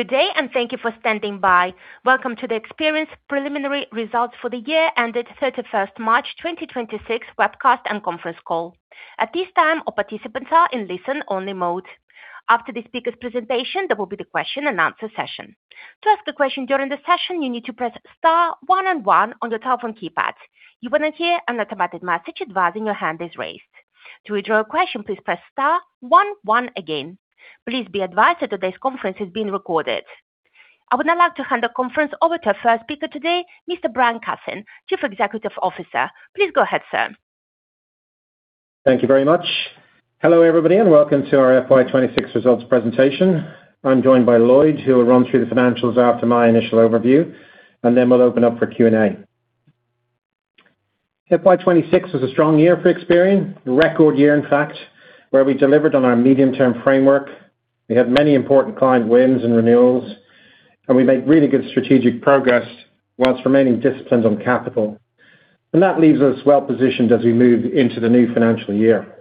Good day and thank you for standing by. Welcome to the Experian's preliminary results for the year-ended 31st March 2026 webcast and conference call. At this time, our participants are in listen-only mode. After the speaker's presentation, there will be the question-and-answer session. To ask a question during the session, you need to press star one on one on your telephone keypad. You will then hear an automated message advising your hand is raised. To withdraw a question, please press star one one again. Please be advised that today's conference is being recorded. I would now like to hand the conference over to our first speaker today, Mr. Brian Cassin, Chief Executive Officer. Please go ahead, sir. Thank you very much. Hello everybody and welcome to our FY26 results presentation. I'm joined by Lloyd, who will run through the financials after my initial overview, and then we'll open up for Q&A. FY26 was a strong year for Experian, a record year in fact, where we delivered on our medium-term framework. We had many important client wins and renewals, and we made really good strategic progress whilst remaining disciplined on capital. That leaves us well positioned as we move into the new financial year.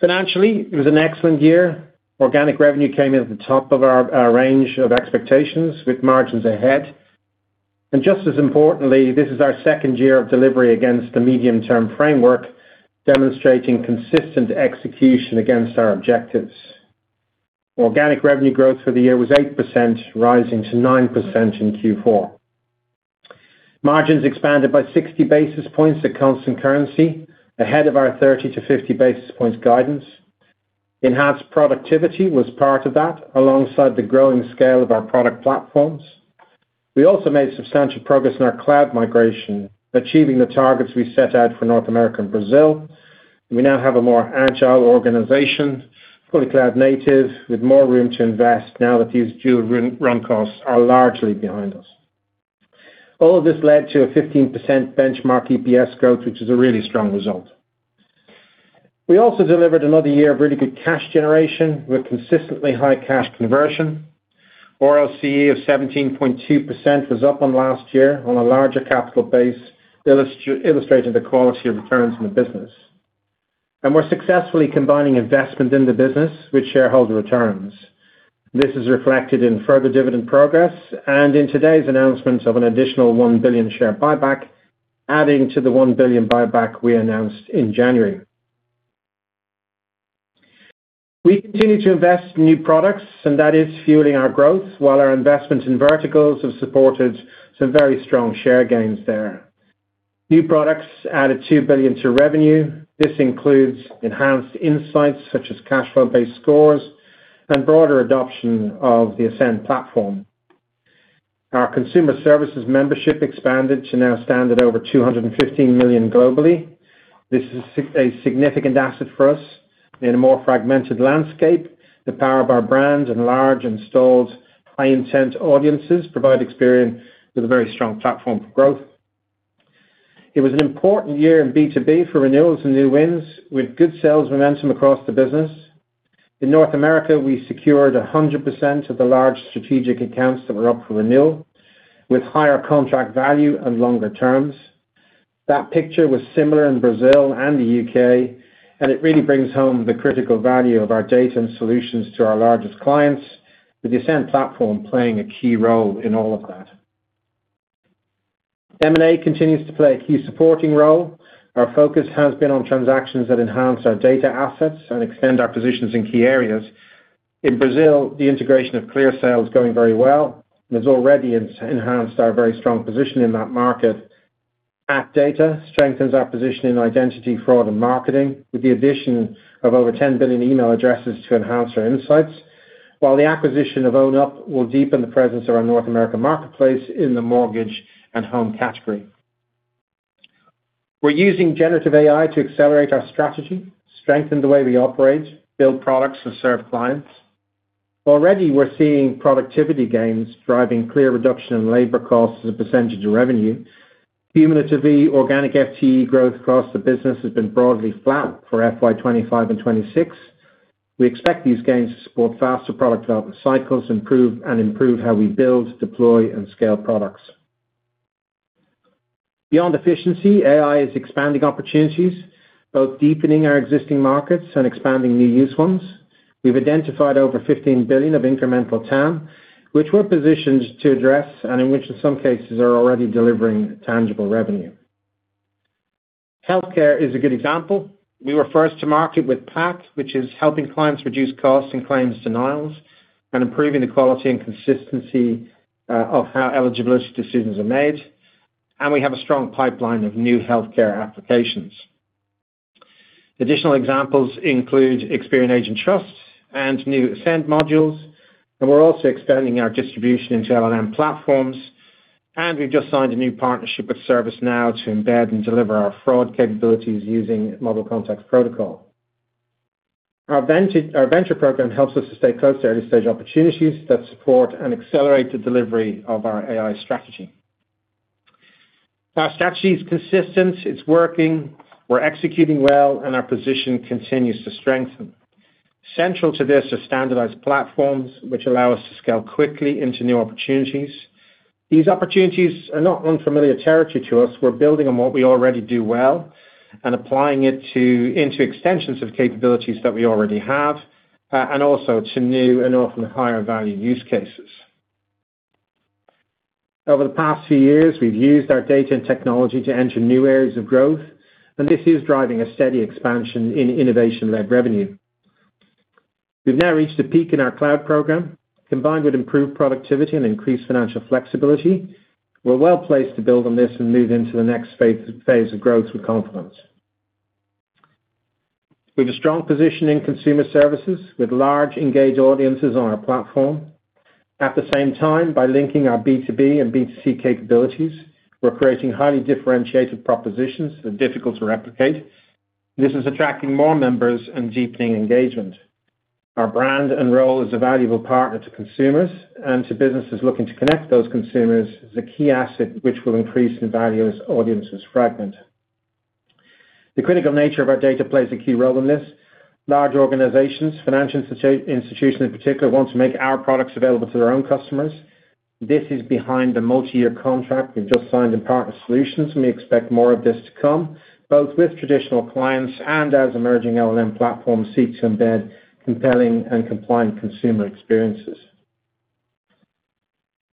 Financially, it was an excellent year. Organic revenue came in at the top of our range of expectations, with margins ahead. Just as importantly, this is our second year of delivery against the medium-term framework, demonstrating consistent execution against our objectives. Organic revenue growth for the year was 8%, rising to 9% in Q4. Margins expanded by 60 basis points at constant currency, ahead of our 30-50 basis points guidance. Enhanced productivity was part of that, alongside the growing scale of our product platforms. We also made substantial progress in our cloud migration, achieving the targets we set out for North America and Brazil. We now have a more agile organization, fully cloud-native, with more room to invest now that these dual run costs are largely behind us. All of this led to a 15% benchmark EPS growth, which is a really strong result. We also delivered another year of really good cash generation, with consistently high cash conversion. ROCE of 17.2% was up on last year on a larger capital base, illustrating the quality of returns in the business. We're successfully combining investment in the business with shareholder returns. This is reflected in further dividend progress and in today's announcement of an additional 1 billion share buyback, adding to the 1 billion buyback we announced in January. That is fueling our growth, while our investment in verticals has supported some very strong share gains there. New products added 2 billion to revenue. This includes enhanced insights such as cash flow-based scores and broader adoption of the Ascend platform. Our consumer services membership expanded to now stand at over 215 million globally. This is a significant asset for us. In a more fragmented landscape, the power of our brand and large installed, high-intent audiences provide Experian with a very strong platform for growth. It was an important year in B2B for renewals and new wins, with good sales momentum across the business. In North America, we secured 100% of the large strategic accounts that were up for renewal, with higher contract value and longer terms. That picture was similar in Brazil and the U.K., and it really brings home the critical value of our data and solutions to our largest clients, with the Ascend platform playing a key role in all of that. M&A continues to play a key supporting role. Our focus has been on transactions that enhance our data assets and extend our positions in key areas. In Brazil, the integration of ClearSale is going very well and has already enhanced our very strong position in that market. AtData strengthens our position in identity, fraud, and marketing, with the addition of over 10 billion email addresses to enhance our insights, while the acquisition of Own Up will deepen the presence of our North American marketplace in the mortgage and home category. We're using generative AI to accelerate our strategy, strengthen the way we operate, build products, and serve clients. Already, we're seeing productivity gains driving clear reduction in labor costs as a percentage of revenue. Cumulative E organic FTE growth across the business has been broadly flat for FY 2025 and 2026. We expect these gains to support faster product development cycles and improve how we build, deploy, and scale products. Beyond efficiency, AI is expanding opportunities, both deepening our existing markets and expanding new use ones. We've identified over $15 billion of incremental TAM, which we're positioned to address and in which, in some cases, are already delivering tangible revenue. Healthcare is a good example. We were first to market with PAC, which is helping clients reduce costs and claims denials and improving the quality and consistency of how eligibility decisions are made. We have a strong pipeline of new healthcare applications. Additional examples include Experian Agent Trust and new Ascend modules. We're also expanding our distribution into LLM platforms. We've just signed a new partnership with ServiceNow to embed and deliver our fraud capabilities using Model Context Protocol. Our venture program helps us to stay close to early-stage opportunities that support and accelerate the delivery of our AI strategy. Our strategy is consistent. It's working. We're executing well, and our position continues to strengthen. Central to this are standardized platforms, which allow us to scale quickly into new opportunities. These opportunities are not unfamiliar territory to us. We're building on what we already do well and applying it into extensions of capabilities that we already have and also to new and often higher-value use cases. Over the past few years, we've used our data and technology to enter new areas of growth, and this is driving a steady expansion in innovation-led revenue. We've now reached a peak in our cloud program. Combined with improved productivity and increased financial flexibility, we're well placed to build on this and move into the next phase of growth with confidence. We have a strong position in consumer services with large, engaged audiences on our platform. At the same time, by linking our B2B and B2C capabilities, we're creating highly differentiated propositions that are difficult to replicate. This is attracting more members and deepening engagement. Our brand and role as a valuable partner to consumers and to businesses looking to connect those consumers is a key asset, which will increase in value as audience is fragmented. The critical nature of our data plays a key role in this. Large organizations, financial institutions in particular, want to make our products available to their own customers. This is behind a multi-year contract. We've just signed in partner solutions. We expect more of this to come, both with traditional clients and as emerging LLM platforms seek to embed compelling and compliant consumer experiences.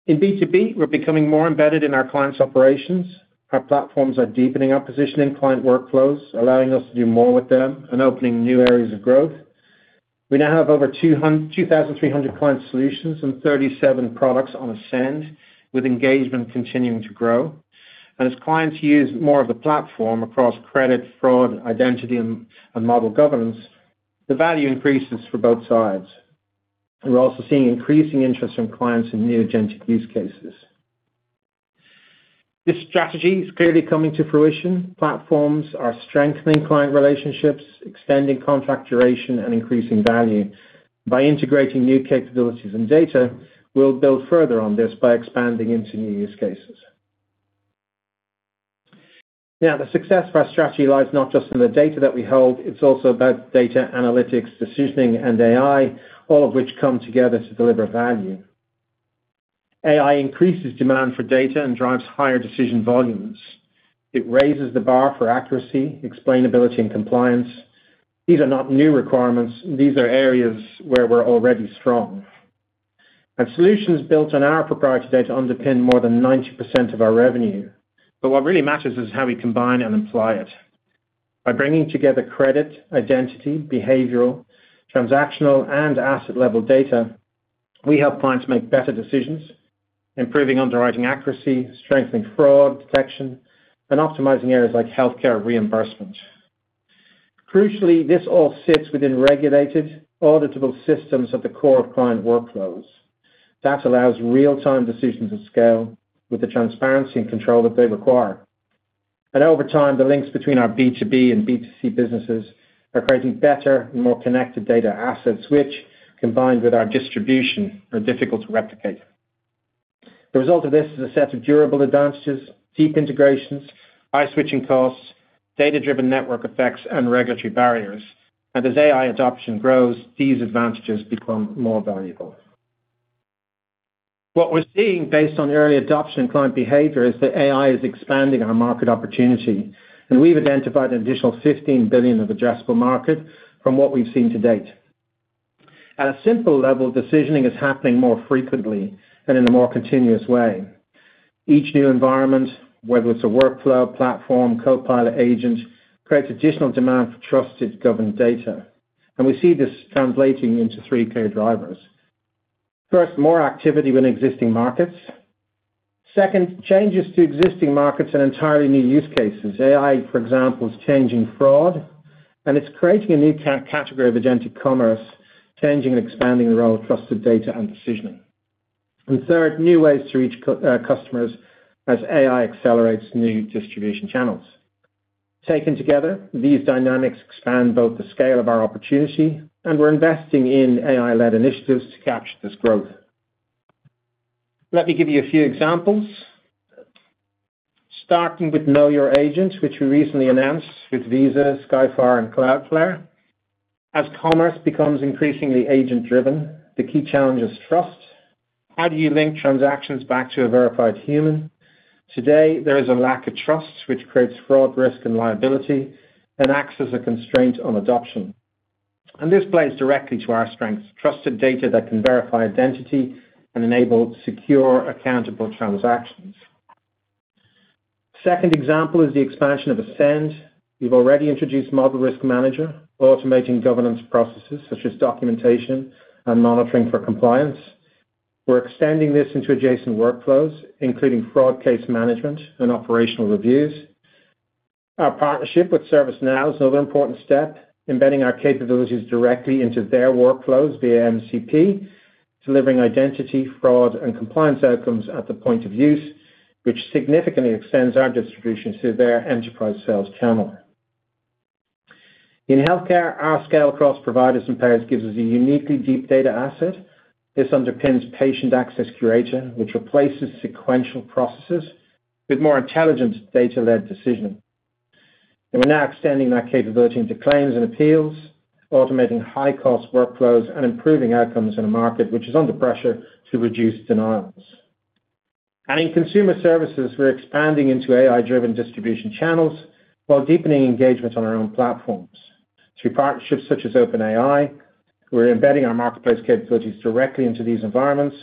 In B2B, we're becoming more embedded in our clients' operations. Our platforms are deepening our position in client workflows, allowing us to do more with them and opening new areas of growth. We now have over 2,300 client solutions and 37 products on Ascend, with engagement continuing to grow. As clients use more of the platform across credit, fraud, identity, and model governance, the value increases for both sides. We're also seeing increasing interest from clients in new agentic use cases. This strategy is clearly coming to fruition. Platforms are strengthening client relationships, extending contract duration, and increasing value. By integrating new capabilities and data, we'll build further on this by expanding into new use cases. The success of our strategy lies not just in the data that we hold. It's also about data analytics, decisioning, and AI, all of which come together to deliver value. AI increases demand for data and drives higher decision volumes. It raises the bar for accuracy, explainability, and compliance. These are not new requirements. These are areas where we're already strong. Solutions built on our proprietary data underpin more than 90% of our revenue. What really matters is how we combine and apply it. By bringing together credit, identity, behavioral, transactional, and asset-level data, we help clients make better decisions, improving underwriting accuracy, strengthening fraud detection, and optimizing areas like healthcare reimbursement. Crucially, this all sits within regulated, auditable systems at the core of client workflows. That allows real-time decisions to scale with the transparency and control that they require. Over time, the links between our B2B and B2C businesses are creating better and more connected data assets, which, combined with our distribution, are difficult to replicate. The result of this is a set of durable advantages, deep integrations, high switching costs, data-driven network effects, and regulatory barriers. As AI adoption grows, these advantages become more valuable. What we're seeing based on early adoption and client behavior is that AI is expanding our market opportunity. We've identified an additional 15 billion of addressable market from what we've seen to date. At a simple level, decisioning is happening more frequently and in a more continuous way. Each new environment, whether it's a workflow, platform, co-pilot, agent, creates additional demand for trusted, governed data. We see this translating into three key drivers. First, more activity within existing markets. Second, changes to existing markets and entirely new use cases. AI, for example, is changing fraud, and it's creating a new category of agentic commerce, changing and expanding the role of trusted data and decisioning. Third, new ways to reach customers as AI accelerates new distribution channels. Taken together, these dynamics expand both the scale of our opportunity, and we're investing in AI-led initiatives to capture this growth. Let me give you a few examples. Starting with Know Your Agent, which we recently announced with Visa, Skyfire, and Cloudflare. As commerce becomes increasingly agent-driven, the key challenge is trust. How do you link transactions back to a verified human? Today, there is a lack of trust, which creates fraud risk and liability and acts as a constraint on adoption. This plays directly to our strengths: trusted data that can verify identity and enable secure, accountable transactions. Second example is the expansion of Ascend. We've already introduced Model Risk Manager, automating governance processes such as documentation and monitoring for compliance. We're extending this into adjacent workflows, including fraud case management and operational reviews. Our partnership with ServiceNow is another important step, embedding our capabilities directly into their workflows via MCP, delivering identity, fraud, and compliance outcomes at the point of use, which significantly extends our distribution through their enterprise sales channel. In healthcare, our scale across providers and payers gives us a uniquely deep data asset. This underpins Patient Access Curator, which replaces sequential processes with more intelligent data-led decisioning. We're now extending that capability into claims and appeals, automating high-cost workflows, and improving outcomes in a market which is under pressure to reduce denials. In consumer services, we're expanding into AI-driven distribution channels while deepening engagement on our own platforms. Through partnerships such as OpenAI, we're embedding our marketplace capabilities directly into these environments.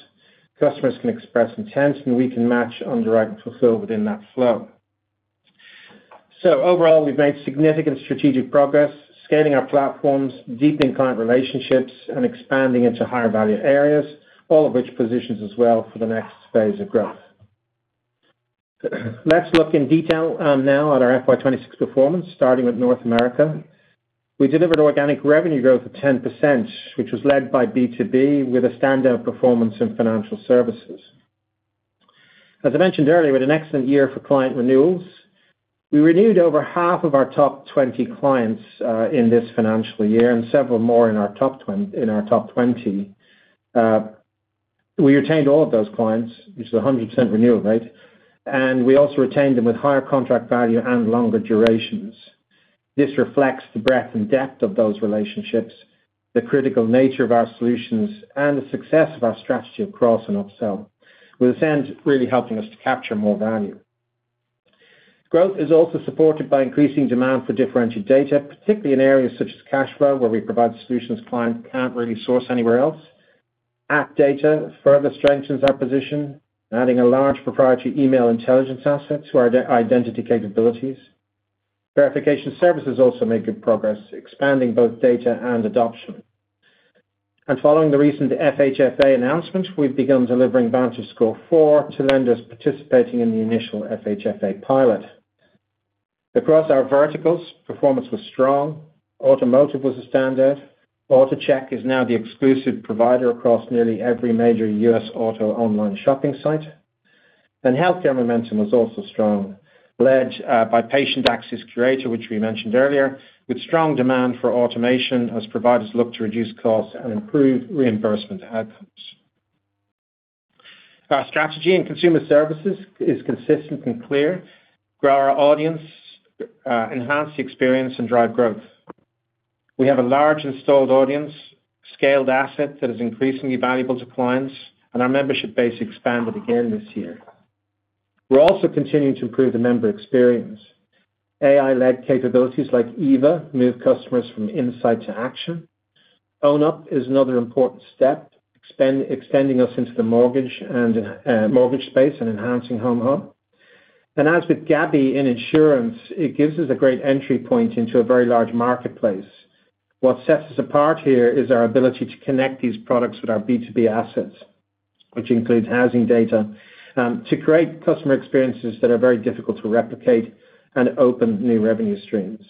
Customers can express intents, and we can match underwrite and fulfill within that flow. Overall, we've made significant strategic progress, scaling our platforms, deepening client relationships, and expanding into higher-value areas, all of which positions us well for the next phase of growth. Let's look in detail now at our FY 2026 performance, starting with North America. We delivered organic revenue growth of 10%, which was led by B2B with a standout performance in financial services. I mentioned earlier, we had an excellent year for client renewals. We renewed over half of our top 20 clients in this financial year and several more in our top 20. We retained all of those clients, which is 100% renewal, right? We also retained them with higher contract value and longer durations. This reflects the breadth and depth of those relationships, the critical nature of our solutions, and the success of our strategy cross and upsell, with Ascend really helping us to capture more value. Growth is also supported by increasing demand for differentiated data, particularly in areas such as cash flow, where we provide solutions clients can't really source anywhere else. AtData further strengthens our position, adding a large proprietary email intelligence asset to our identity capabilities. Verification services also make good progress, expanding both data and adoption. Following the recent FHFA announcement, we've begun delivering VantageScore 4.0 to lenders participating in the initial FHFA pilot. Across our verticals, performance was strong. Automotive was a standout. AutoCheck is now the exclusive provider across nearly every major U.S. auto online shopping site. Healthcare momentum was also strong, led by Patient Access Curator, which we mentioned earlier, with strong demand for automation as providers look to reduce costs and improve reimbursement outcomes. Our strategy in consumer services is consistent and clear. Grow our audience, enhance the experience, and drive growth. We have a large installed audience, scaled asset that is increasingly valuable to clients, and our membership base expanded again this year. We're also continuing to improve the member experience. AI-led capabilities like EVA move customers from insight to action. Own Up is another important step, extending us into the mortgage space and enhancing HomeHub. As with Gabi in insurance, it gives us a great entry point into a very large marketplace. What sets us apart here is our ability to connect these products with our B2B assets, which includes housing data, to create customer experiences that are very difficult to replicate and open new revenue streams.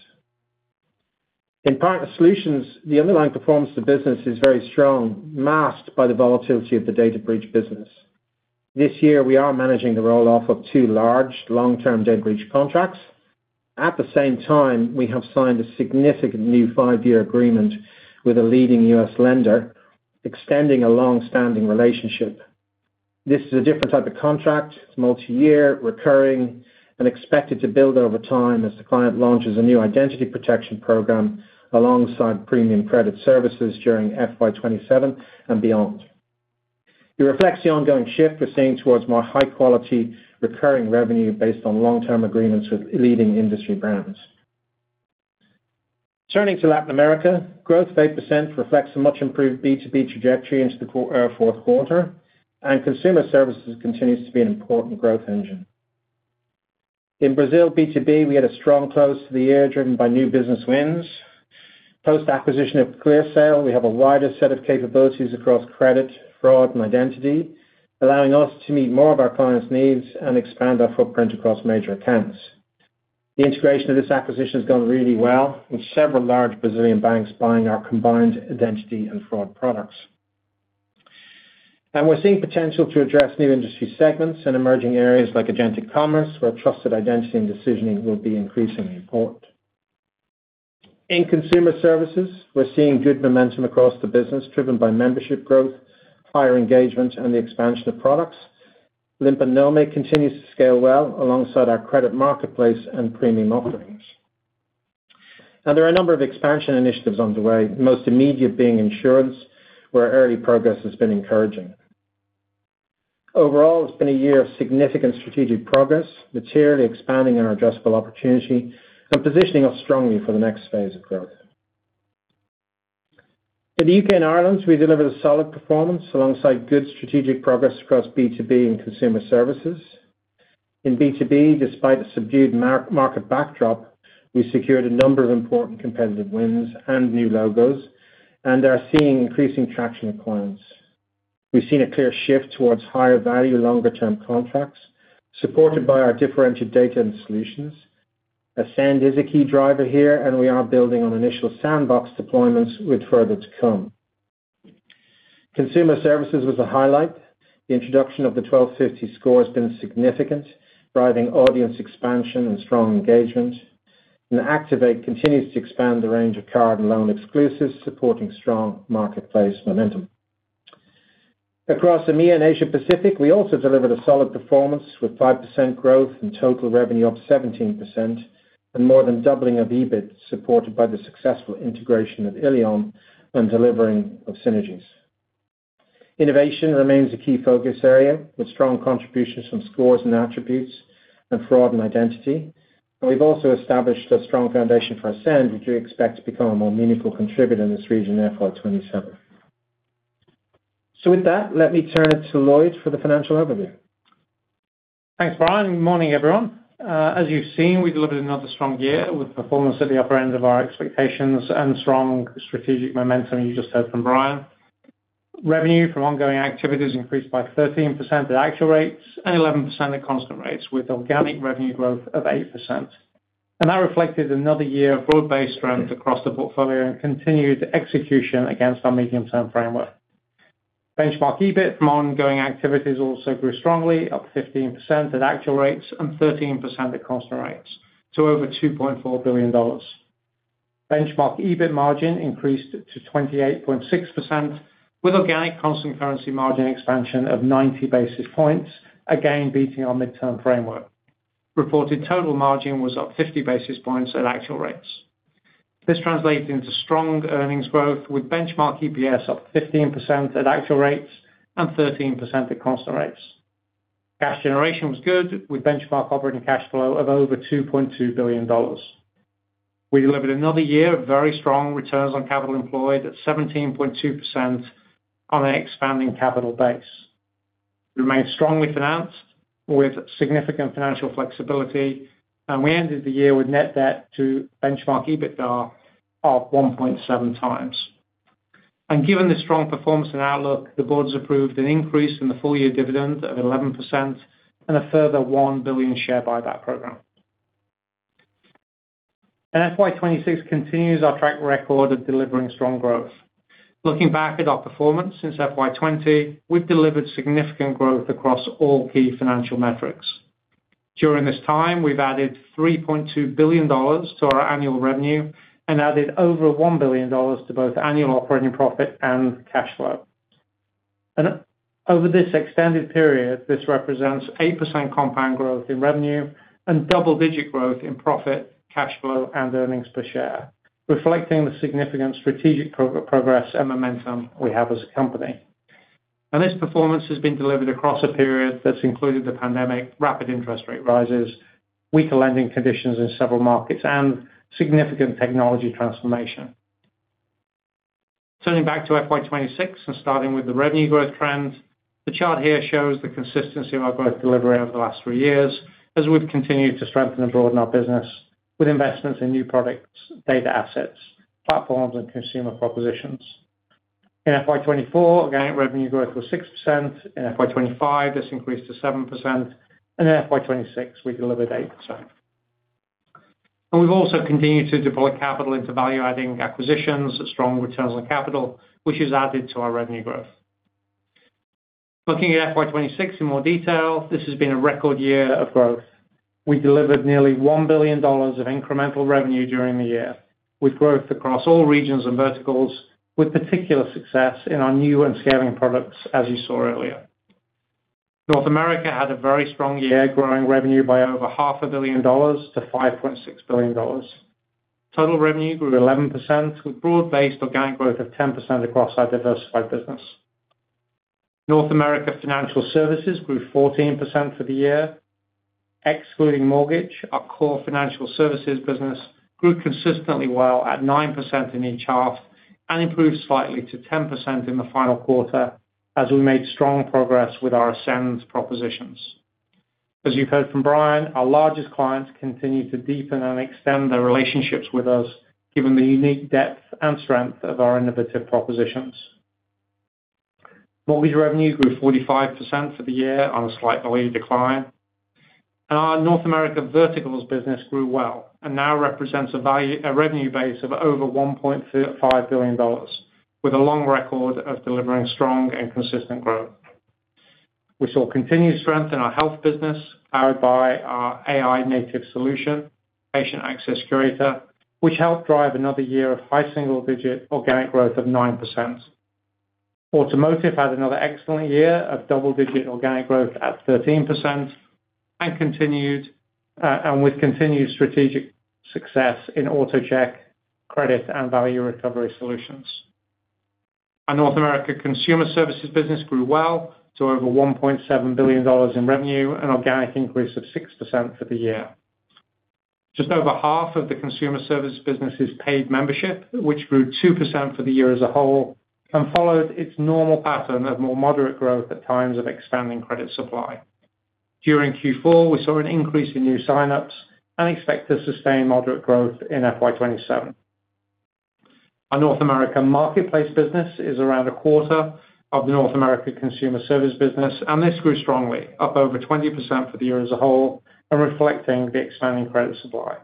In partner solutions, the underlying performance of the business is very strong, masked by the volatility of the data breach business. This year, we are managing the roll-off of two large, long-term data breach contracts. At the same time, we have signed a significant new five-year agreement with a leading U.S. lender, extending a long-standing relationship. This is a different type of contract. It's multi-year, recurring, and expected to build over time as the client launches a new identity protection program alongside premium credit services during FY27 and beyond. It reflects the ongoing shift we're seeing towards more high-quality, recurring revenue based on long-term agreements with leading industry brands. Turning to Latin America, growth of 8% reflects a much improved B2B trajectory into the fourth quarter. Consumer services continues to be an important growth engine. In Brazil B2B, we had a strong close to the year driven by new business wins. Post-acquisition of ClearSale, we have a wider set of capabilities across credit, fraud, and identity, allowing us to meet more of our clients' needs and expand our footprint across major accounts. The integration of this acquisition has gone really well, with several large Brazilian banks buying our combined identity and fraud products. We're seeing potential to address new industry segments and emerging areas like agentic commerce, where trusted identity and decisioning will be increasingly important. In consumer services, we're seeing good momentum across the business driven by membership growth, higher engagement, and the expansion of products. Limpa Nome continues to scale well alongside our credit marketplace and premium offerings. There are a number of expansion initiatives underway, the most immediate being insurance, where early progress has been encouraging. Overall, it's been a year of significant strategic progress, materially expanding on our addressable opportunity and positioning us strongly for the next phase of growth. In the U.K. and Ireland, we delivered a solid performance alongside good strategic progress across B2B and consumer services. In B2B, despite a subdued market backdrop, we secured a number of important competitive wins and new logos, and are seeing increasing traction with clients. We've seen a clear shift towards higher-value, longer-term contracts supported by our differentiated data and solutions. Ascend is a key driver here, and we are building on initial sandbox deployments with further to come. Consumer services was a highlight. The introduction of the 1250 score has been significant, driving audience expansion and strong engagement. Activation continues to expand the range of card and loan exclusives, supporting strong marketplace momentum. Across EMEA and Asia-Pacific, we also delivered a solid performance with 5% growth and total revenue up 17% and more than doubling of EBIT supported by the successful integration of illion and delivering of synergies. Innovation remains a key focus area with strong contributions from scores and attributes and fraud and identity. We've also established a strong foundation for Ascend, which we expect to become a more meaningful contributor in this region FY 2027. With that, let me turn it to Lloyd for the financial overview. Thanks, Brian. Good morning, everyone. As you've seen, we delivered another strong year with performance at the upper end of our expectations and strong strategic momentum you just heard from Brian. Revenue from ongoing activities increased by 13% at actual rates and 11% at constant rates with organic revenue growth of 8%. That reflected another year of broad-based trends across the portfolio and continued execution against our medium-term framework. Benchmark EBIT from ongoing activities also grew strongly, up 15% at actual rates and 13% at constant rates to over GBP 2.4 billion. Benchmark EBIT margin increased to 28.6% with organic constant currency margin expansion of 90 basis points, again beating our midterm framework. Reported total margin was up 50 basis points at actual rates. This translated into strong earnings growth with benchmark EPS up 15% at actual rates and 13% at constant rates. Cash generation was good with benchmark operating cash flow of over GBP 2.2 billion. We delivered another year of very strong returns on capital employed at 17.2% on an expanding capital base. We remained strongly financed with significant financial flexibility, and we ended the year with net debt to benchmark EBITDA of 1.7x. Given the strong performance and outlook, the board has approved an increase in the full-year dividend of 11% and a further 1 billion share buyback program. FY 2026 continues our track record of delivering strong growth. Looking back at our performance since FY 2020, we've delivered significant growth across all key financial metrics. During this time, we've added GBP 3.2 billion to our annual revenue and added over GBP 1 billion to both annual operating profit and cash flow. Over this extended period, this represents 8% compound growth in revenue and double-digit growth in profit, cash flow, and earnings per share, reflecting the significant strategic progress and momentum we have as a company. This performance has been delivered across a period that's included the pandemic, rapid interest rate rises, weaker lending conditions in several markets, and significant technology transformation. Turning back to FY 2026 and starting with the revenue growth trend, the chart here shows the consistency of our growth delivery over the last three years as we've continued to strengthen and broaden our business with investments in new products, data assets, platforms, and consumer propositions. In FY 2024, organic revenue growth was 6%. In FY 2025, this increased to 7%. In FY 2026, we delivered 8%. We've also continued to deploy capital into value-adding acquisitions at strong returns on capital, which has added to our revenue growth. Looking at FY 2026 in more detail, this has been a record year of growth. We delivered nearly $1 billion of incremental revenue during the year with growth across all regions and verticals, with particular success in our new and scaling products, as you saw earlier. North America had a very strong year, growing revenue by over half a billion dollars to $5.6 billion. Total revenue grew 11% with broad-based organic growth of 10% across our diversified business. North America financial services grew 14% for the year. Excluding mortgage, our core financial services business grew consistently well at 9% in each half and improved slightly to 10% in the final quarter as we made strong progress with our Ascend propositions. As you've heard from Brian, our largest clients continue to deepen and extend their relationships with us given the unique depth and strength of our innovative propositions. Mortgage revenue grew 45% for the year on a slight decline. Our North America verticals business grew well and now represents a revenue base of over $1.5 billion with a long record of delivering strong and consistent growth. We saw continued strength in our health business powered by our AI-native solution, Patient Access Curator, which helped drive another year of high single-digit organic growth of 9%. Automotive had another excellent year of double-digit organic growth at 13% with continued strategic success in AutoCheck, credit, and value recovery solutions. North America consumer services business grew well to over $1.7 billion in revenue, an organic increase of 6% for the year. Just over half of the consumer services businesses paid membership, which grew 2% for the year as a whole and followed its normal pattern of more moderate growth at times of expanding credit supply. During Q4, we saw an increase in new signups and expect to sustain moderate growth in FY 2027. Our North America marketplace business is around a quarter of the North America consumer service business, and this grew strongly, up over 20% for the year as a whole and reflecting the expanding credit supply.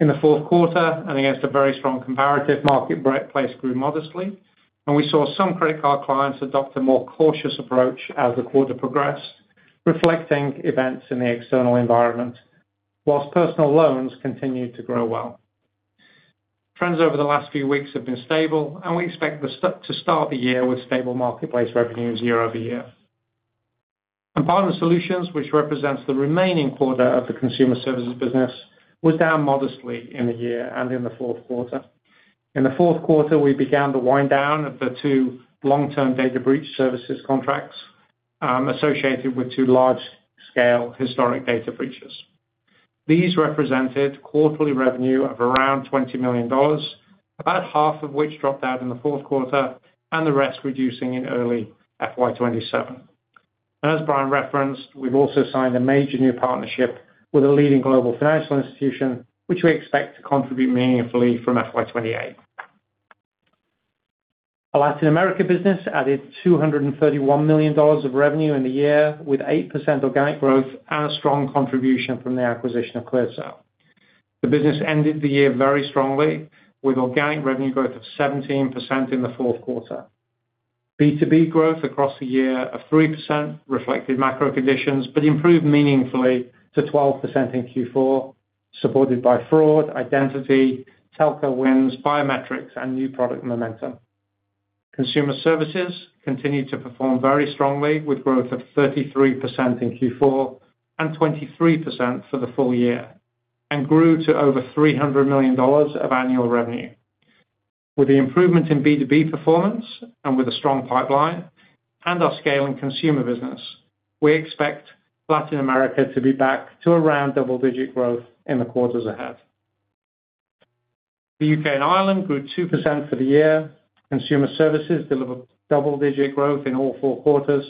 In the fourth quarter, and against a very strong comparative, marketplace grew modestly. We saw some credit card clients adopt a more cautious approach as the quarter progressed, reflecting events in the external environment whilst personal loans continued to grow well. Trends over the last few weeks have been stable, and we expect to start the year with stable marketplace revenues year-over-year. Partner solutions, which represents the remaining quarter of the consumer services business, was down modestly in the year and in the fourth quarter. In the fourth quarter, we began to wind down the two long-term data breach services contracts associated with two large-scale historic data breaches. These represented quarterly revenue of around $20 million, about half of which dropped out in the fourth quarter and the rest reducing in early FY 2027. As Brian referenced, we've also signed a major new partnership with a leading global financial institution, which we expect to contribute meaningfully from FY 2028. Our Latin America business added $231 million of revenue in the year with 8% organic growth and a strong contribution from the acquisition of ClearSale. The business ended the year very strongly with organic revenue growth of 17% in the fourth quarter. B2B growth across the year of 3% reflected macro conditions but improved meaningfully to 12% in Q4, supported by fraud, identity, telco wins, biometrics, and new product momentum. Consumer services continued to perform very strongly with growth of 33% in Q4 and 23% for the full year and grew to over $300 million of annual revenue. With the improvement in B2B performance and with a strong pipeline and our scaling consumer business, we expect Latin America to be back to around double-digit growth in the quarters ahead. The U.K. and Ireland grew 2% for the year. Consumer services delivered double-digit growth in all four quarters,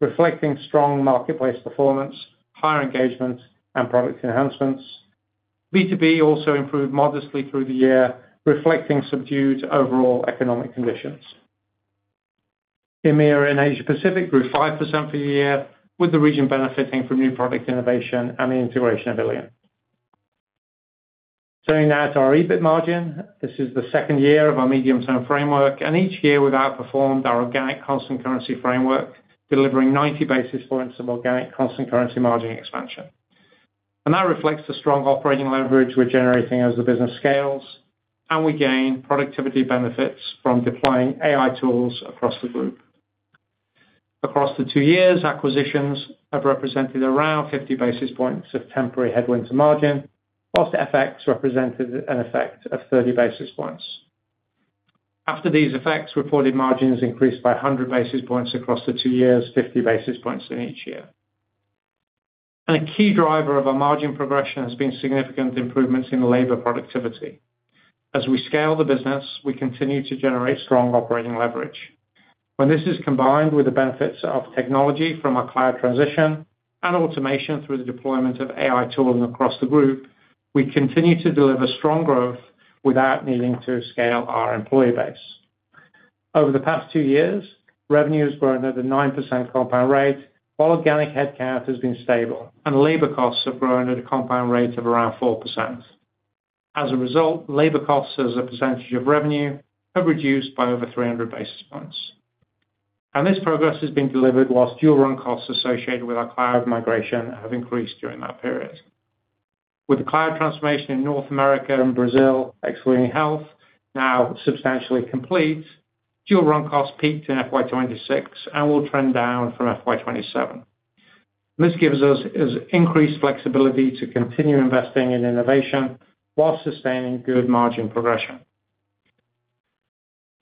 reflecting strong marketplace performance, higher engagement, and product enhancements. B2B also improved modestly through the year, reflecting subdued overall economic conditions. EMEA and Asia-Pacific grew 5% for the year, with the region benefiting from new product innovation and the integration of illion. Turning now to our EBIT margin. This is the second year of our medium-term framework. Each year we've outperformed our organic constant currency framework, delivering 90 basis points of organic constant currency margin expansion. That reflects the strong operating leverage we're generating as the business scales, and we gain productivity benefits from deploying AI tools across the group. Across the two years, acquisitions have represented around 50 basis points of temporary headwind to margin, whilst FX represented an effect of 30 basis points. After these effects, reported margins increased by 100 basis points across the two years, 50 basis points in each year. A key driver of our margin progression has been significant improvements in labor productivity. As we scale the business, we continue to generate strong operating leverage. When this is combined with the benefits of technology from our cloud transition and automation through the deployment of AI tooling across the group, we continue to deliver strong growth without needing to scale our employee base. Over the past two years, revenue has grown at a 9% compound rate while organic headcount has been stable, and labor costs have grown at a compound rate of around 4%. As a result, labor costs as a percentage of revenue have reduced by over 300 basis points. This progress has been delivered while dual-run costs associated with our cloud migration have increased during that period. With the cloud transformation in North America and Brazil, excluding health, now substantially complete, dual-run costs peaked in FY 2026 and will trend down from FY 2027. This gives us increased flexibility to continue investing in innovation while sustaining good margin progression.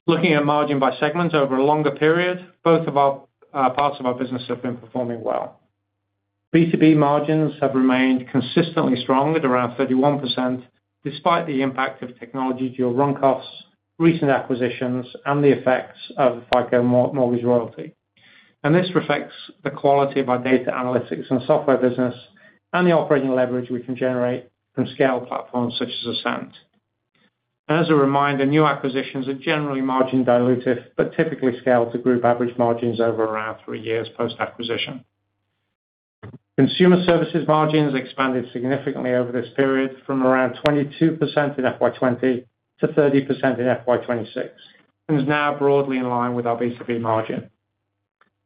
Looking at margin by segment over a longer period, both of our parts of our business have been performing well. B2B margins have remained consistently strong at around 31% despite the impact of technology dual-run costs, recent acquisitions, and the effects of FICO mortgage royalty. This reflects the quality of our data analytics and software business and the operating leverage we can generate from scale platforms such as Ascend. As a reminder, new acquisitions are generally margin dilutive but typically scale to group average margins over around three years post-acquisition. Consumer services margins expanded significantly over this period from around 22% in FY 2020 to 30% in FY 2026 and is now broadly in line with our B2B margin.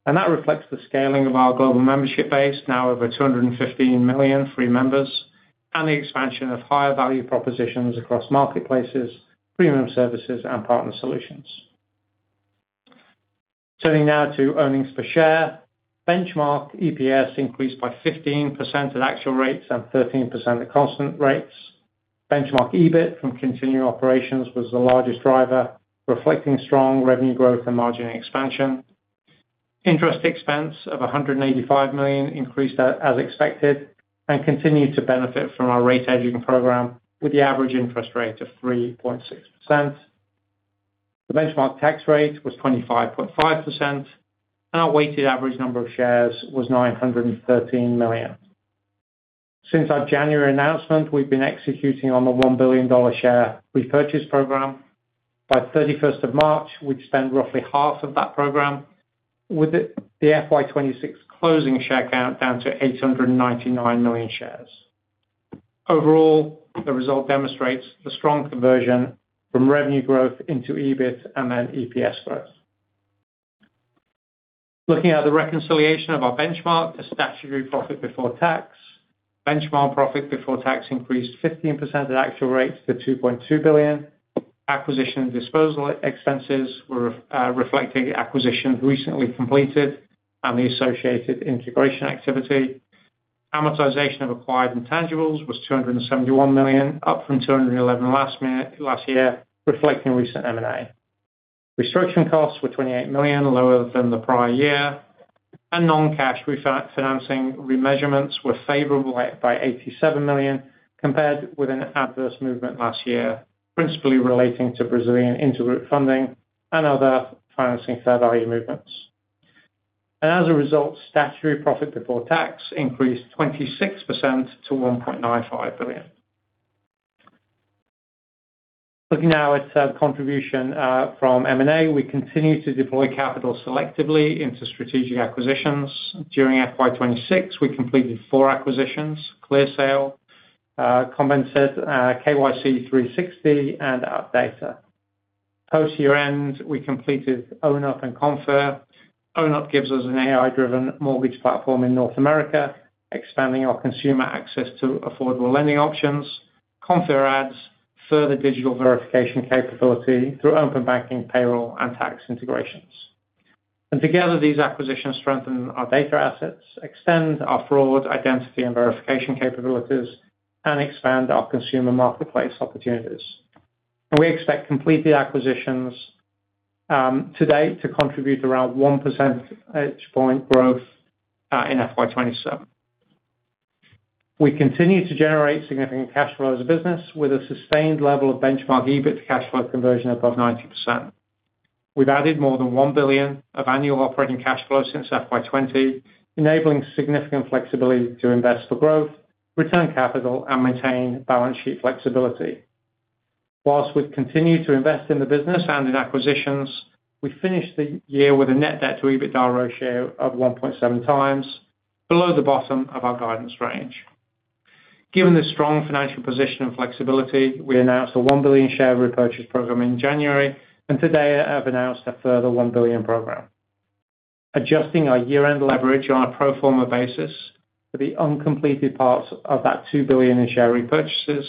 That reflects the scaling of our global membership base, now over 215 million free members, and the expansion of higher value propositions across marketplaces, premium services, and partner solutions. Turning now to earnings per share. Benchmark EPS increased by 15% at actual rates and 13% at constant rates. Benchmark EBIT from continuing operations was the largest driver, reflecting strong revenue growth and margin expansion. Interest expense of 185 million increased as expected and continued to benefit from our rate hedging program with the average interest rate of 3.6%. The benchmark tax rate was 25.5%, and our weighted average number of shares was 913 million. Since our January announcement, we've been executing on the GBP 1 billion share repurchase program. By 31st of March, we'd spent roughly half of that program with the FY 2026 closing share count down to 899 million shares. Overall, the result demonstrates the strong conversion from revenue growth into EBIT and then EPS growth. Looking at the reconciliation of our benchmark to statutory profit before tax, benchmark profit before tax increased 15% at actual rates to 2.2 billion. Acquisition and disposal expenses were reflecting acquisitions recently completed and the associated integration activity. Amortization of acquired intangibles was 271 million, up from 211 last year, reflecting recent M&A. Restriction costs were 28 million, lower than the prior year. Non-cash refinancing remeasurements were favourable by 87 million compared with an adverse movement last year, principally relating to Brazilian intergroup funding and other financing fair value movements. As a result, statutory profit before tax increased 26% to 1.95 billion. Looking now at contribution from M&A, we continue to deploy capital selectively into strategic acquisitions. During FY 2026, we completed four acquisitions: ClearSale, Compuscan, KYC360, and Atata. Post-year end, we completed Own Up and Konfir. Own Up gives us an AI-driven mortgage platform in North America, expanding our consumer access to affordable lending options. Konfir adds further digital verification capability through open banking, payroll, and tax integrations. Together, these acquisitions strengthen our data assets, extend our fraud, identity, and verification capabilities, and expand our consumer marketplace opportunities. We expect completed acquisitions today to contribute around 1% each point growth in FY 2027. We continue to generate significant cash flow as a business with a sustained level of benchmark EBIT to cash flow conversion above 90%. We've added more than 1 billion of annual operating cash flow since FY 2020, enabling significant flexibility to invest for growth, return capital, and maintain balance sheet flexibility. Whilst we continue to invest in the business and in acquisitions, we finished the year with a net debt to EBITDA ratio of 1.7x, below the bottom of our guidance range. Given the strong financial position and flexibility, we announced a 1 billion share repurchase program in January, and today I've announced a further 1 billion program. Adjusting our year-end leverage on a pro forma basis for the uncompleted parts of that 2 billion in share repurchases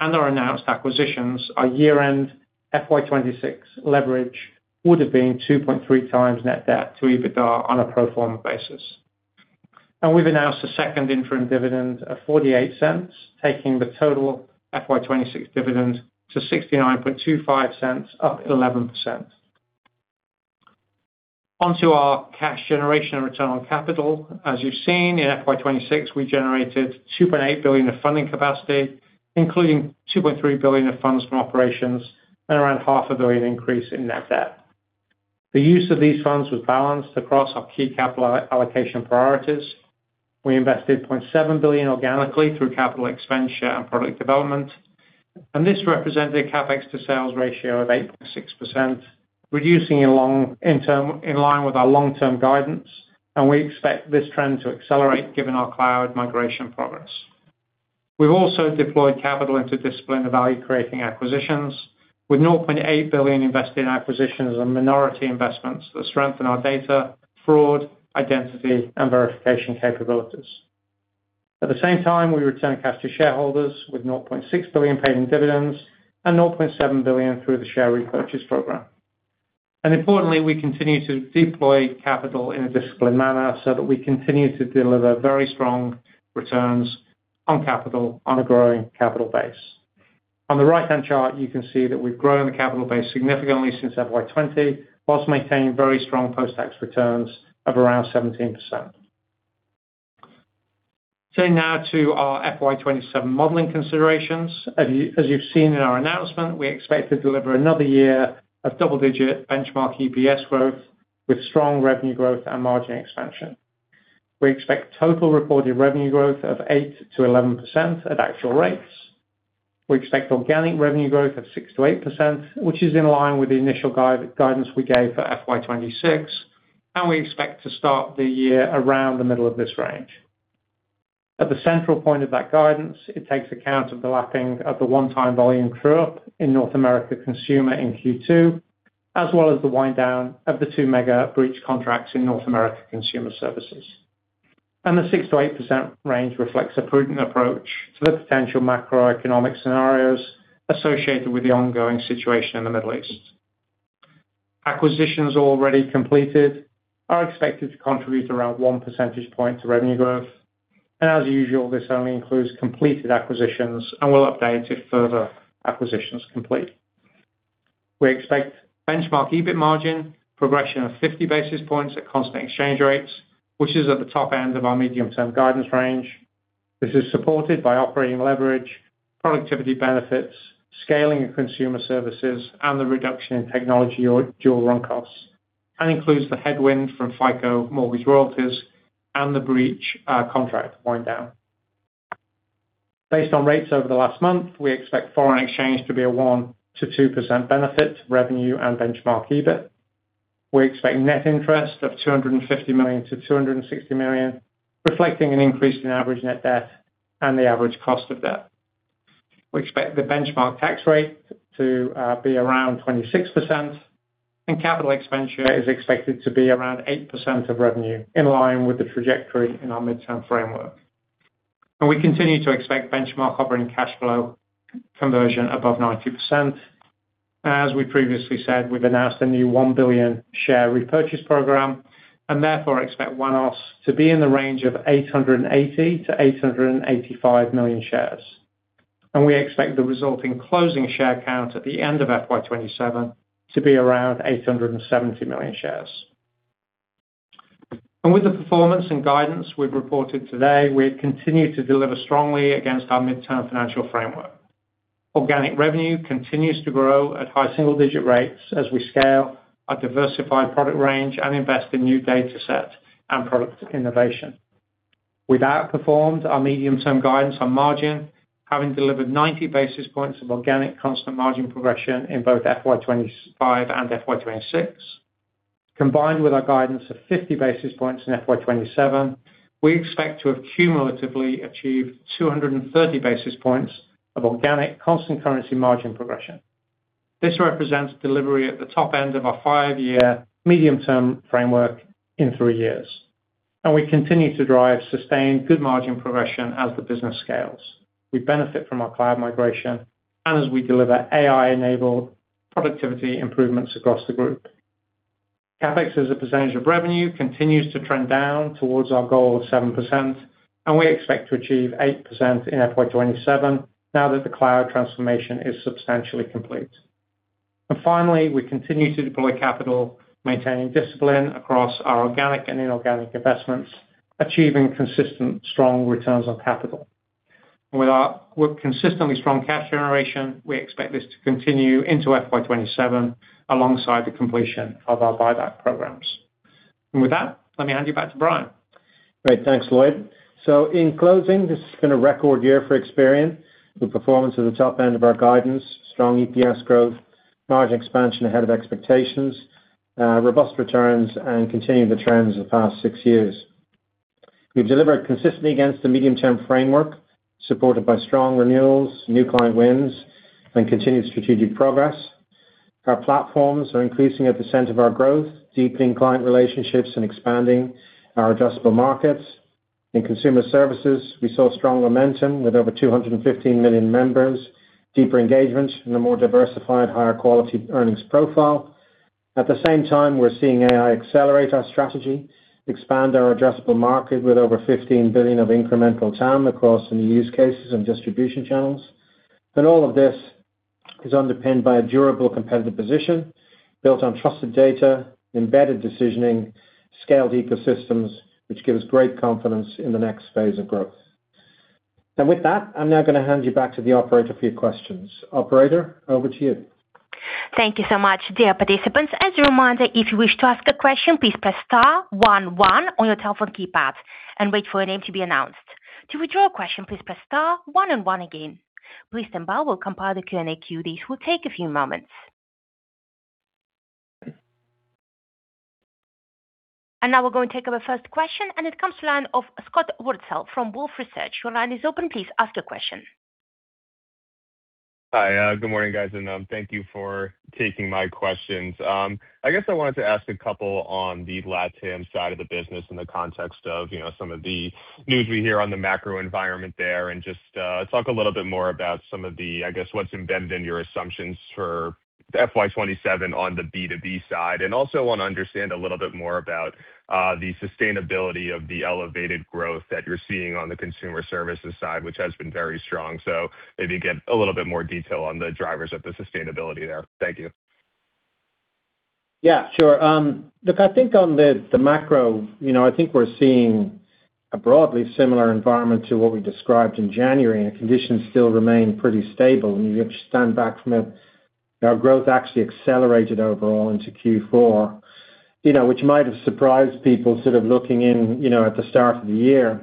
and our announced acquisitions, our year-end FY 2026 leverage would have been 2.3x net debt to EBITDA on a pro forma basis. We've announced a second interim dividend of 0.0048, taking the total FY 2026 dividend to 0.006925, up 11%. Onto our cash generation and return on capital. As you've seen, in FY 2026, we generated 2.8 billion of funding capacity, including 2.3 billion of funds from operations and around half a billion increase in net debt. The use of these funds was balanced across our key capital allocation priorities. We invested 0.7 billion organically through capital expenditure and product development. This represented a CapEx to sales ratio of 8.6%, reducing in line with our long-term guidance. We expect this trend to accelerate given our cloud migration progress. We've also deployed capital interdisciplinary value-creating acquisitions with 0.8 billion invested in acquisitions and minority investments that strengthen our data, fraud, identity, and verification capabilities. At the same time, we return cash to shareholders with 0.6 billion paid in dividends and 0.7 billion through the share repurchase program. Importantly, we continue to deploy capital in a disciplined manner so that we continue to deliver very strong returns on capital on a growing capital base. On the right-hand chart, you can see that we've grown the capital base significantly since FY 2020 whilst maintaining very strong post-tax returns of around 17%. Turning now to our FY 2027 modeling considerations. As you've seen in our announcement, we expect to deliver another year of double-digit benchmark EPS growth with strong revenue growth and margin expansion. We expect total reported revenue growth of 8%-11% at actual rates. We expect organic revenue growth of 6%-8%, which is in line with the initial guidance we gave for FY 2026. We expect to start the year around the middle of this range. At the central point of that guidance, it takes account of the lapping of the one-time volume true-up in North America consumer in Q2 as well as the wind-down of the two mega breach contracts in North America consumer services. The 6%-8% range reflects a prudent approach to the potential macroeconomic scenarios associated with the ongoing situation in the Middle East. Acquisitions already completed are expected to contribute around 1 percentage point to revenue growth. As usual, this only includes completed acquisitions and will update if further acquisitions complete. We expect benchmark EBIT margin progression of 50 basis points at constant exchange rates, which is at the top end of our medium-term guidance range. This is supported by operating leverage, productivity benefits, scaling of consumer services, and the reduction in technology dual-run costs and includes the headwind from FICO mortgage royalties and the breach contract wind-down. Based on rates over the last month, we expect foreign exchange to be a 1%-2% benefit to revenue and benchmark EBIT. We expect net interest of 250 million-260 million, reflecting an increase in average net debt and the average cost of debt. We expect the benchmark tax rate to be around 26%, capital expenditure is expected to be around 8% of revenue, in line with the trajectory in our midterm framework. We continue to expect benchmark operating cash flow conversion above 90%. As we previously said, we've announced a new 1 billion share repurchase program and therefore expect one-offs to be in the range of 880 million-885 million shares. We expect the resulting closing share count at the end of FY 2027 to be around 870 million shares. With the performance and guidance we've reported today, we continue to deliver strongly against our midterm financial framework. Organic revenue continues to grow at high single-digit rates as we scale our diversified product range and invest in new data set and product innovation. We've outperformed our medium-term guidance on margin, having delivered 90 basis points of organic constant margin progression in both FY 2025 and FY 2026. Combined with our guidance of 50 basis points in FY 2027, we expect to have cumulatively achieved 230 basis points of organic constant currency margin progression. This represents delivery at the top end of our five-year medium-term framework in three years. We continue to drive sustained good margin progression as the business scales. We benefit from our cloud migration and as we deliver AI-enabled productivity improvements across the group. CapEx as a percentage of revenue continues to trend down towards our goal of 7%, and we expect to achieve 8% in FY 2027 now that the cloud transformation is substantially complete. Finally, we continue to deploy capital, maintaining discipline across our organic and inorganic investments, achieving consistent strong returns on capital. With our consistently strong cash generation, we expect this to continue into FY 2027 alongside the completion of our buyback programs. With that, let me hand you back to Brian. Great. Thanks, Lloyd. In closing, this is going to record year for Experian with performance at the top end of our guidance, strong EPS growth, margin expansion ahead of expectations, robust returns, and continuing the trends of the past six years. We've delivered consistently against the medium-term framework supported by strong renewals, new client wins, and continued strategic progress. Our platforms are increasing at the center of our growth, deepening client relationships, and expanding our adjustable markets. In consumer services, we saw strong momentum with over 215 million members, deeper engagement, and a more diversified, higher quality earnings profile. At the same time, we're seeing AI accelerate our strategy, expand our adjustable market with over 15 billion of incremental TAM across the new use cases and distribution channels. All of this is underpinned by a durable competitive position built on trusted data, embedded decisioning, scaled ecosystems, which gives great confidence in the next phase of growth. With that, I'm now going to hand you back to the operator for your questions. Operator, over to you. Thank you so much, dear participants. As a reminder, if you wish to ask a question, please press star one one on your telephone keypad and wait for your name to be announced. To withdraw a question, please press star one and one again. Please standby, l will compile the Q&A queue. This will take a few moments. Now we're going to take over first question. It comes to the line of Scott Wurtzel from Wolfe Research. Your line is open. Please ask your question. Hi. Good morning, guys. Thank you for taking my questions. I guess I wanted to ask a couple on the LatAm side of the business in the context of some of the news we hear on the macro environment there and just talk a little bit more about some of the I guess what's embedded in your assumptions for FY 2027 on the B2B side and also want to understand a little bit more about the sustainability of the elevated growth that you're seeing on the consumer services side, which has been very strong. Maybe get a little bit more detail on the drivers of the sustainability there. Thank you. Yeah. Sure. Look, I think on the macro we're seeing a broadly similar environment to what we described in January. Conditions still remain pretty stable. If you stand back from it, our growth actually accelerated overall into Q4, which might have surprised people sort of looking in at the start of the year.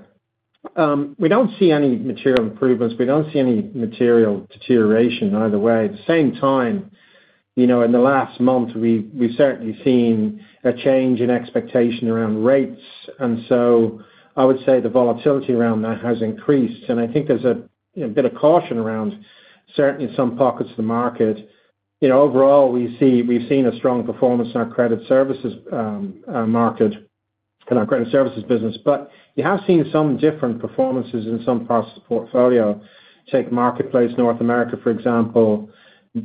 We don't see any material improvements. We don't see any material deterioration either way. At the same time, in the last month, we've certainly seen a change in expectation around rates. I would say the volatility around that has increased. I think there's a bit of caution around certainly some pockets of the market. Overall, we've seen a strong performance in our credit services market and our credit services business. You have seen some different performances in some parts of the portfolio. Take marketplace North America, for example.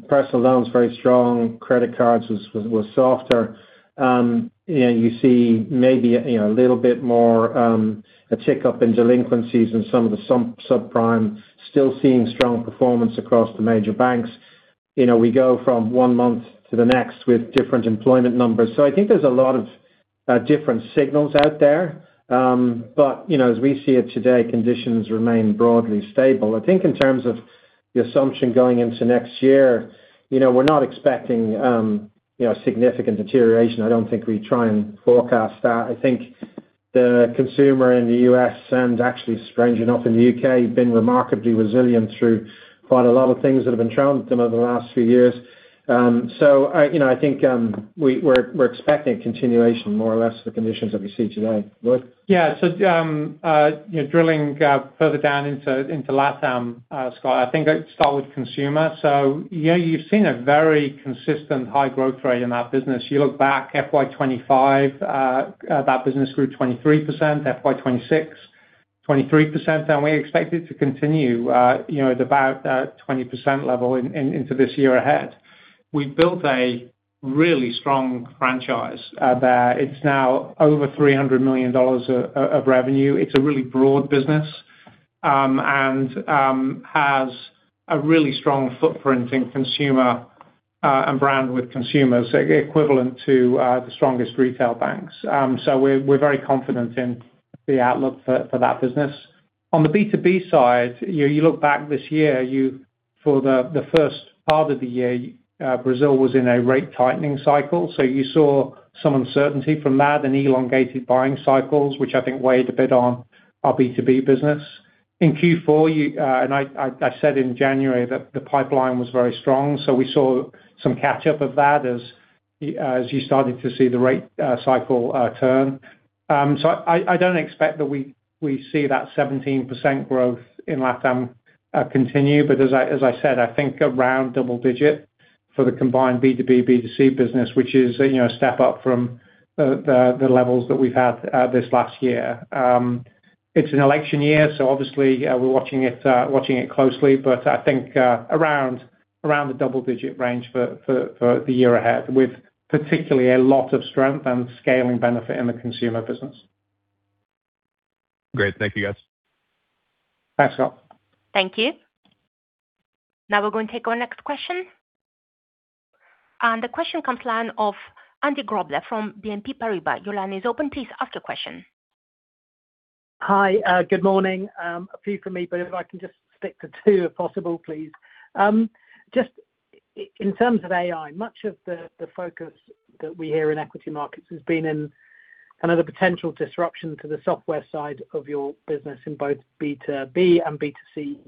Personal loans, very strong. Credit cards were softer. You see maybe a little bit more a tick up in delinquencies in some of the subprime. Still seeing strong performance across the major banks. We go from one month to the next with different employment numbers. I think there's a lot of different signals out there. As we see it today, conditions remain broadly stable. I think in terms of the assumption going into next year, we're not expecting significant deterioration. I don't think we try and forecast that. I think the consumer in the U.S. and actually stranger enough in the U.K., been remarkably resilient through quite a lot of things that have been thrown at them over the last few years. I think we're expecting continuation more or less of the conditions that we see today. Lloyd? Yeah. Drilling further down into LatAm, Scott, I think I'd start with consumer. You've seen a very consistent high growth rate in that business. You look back, FY 2025, that business grew 23%. FY 2026, 23%. We expect it to continue at about that 20% level into this year ahead. We've built a really strong franchise there. It's now over GBP 300 million of revenue. It's a really broad business and has a really strong footprint in consumer and brand with consumers, equivalent to the strongest retail banks. We're very confident in the outlook for that business. On the B2B side, you look back this year, for the first part of the year, Brazil was in a rate-tightening cycle. You saw some uncertainty from that and elongated buying cycles, which I think weighed a bit on our B2B business. In Q4, I said in January that the pipeline was very strong. We saw some catch-up of that as you started to see the rate cycle turn. I don't expect that we see that 17% growth in LatAm continue. As I said, I think around double-digit for the combined B2B, B2C business, which is a step up from the levels that we've had this last year. It's an election year, obviously, we're watching it closely. I think around the double-digit range for the year ahead with particularly a lot of strength and scaling benefit in the consumer business. Great. Thank you, guys. Thanks, Scott. Thank you. Now we're going to take our next question. The question comes to the line of Andy Grobler from BNP Paribas. Your line is open. Please ask your question. Hi. Good morning. A few for me, if I can just stick to two if possible, please. Just in terms of AI, much of the focus that we hear in equity markets has been in kind of the potential disruption to the software side of your business in both B2B and B2C.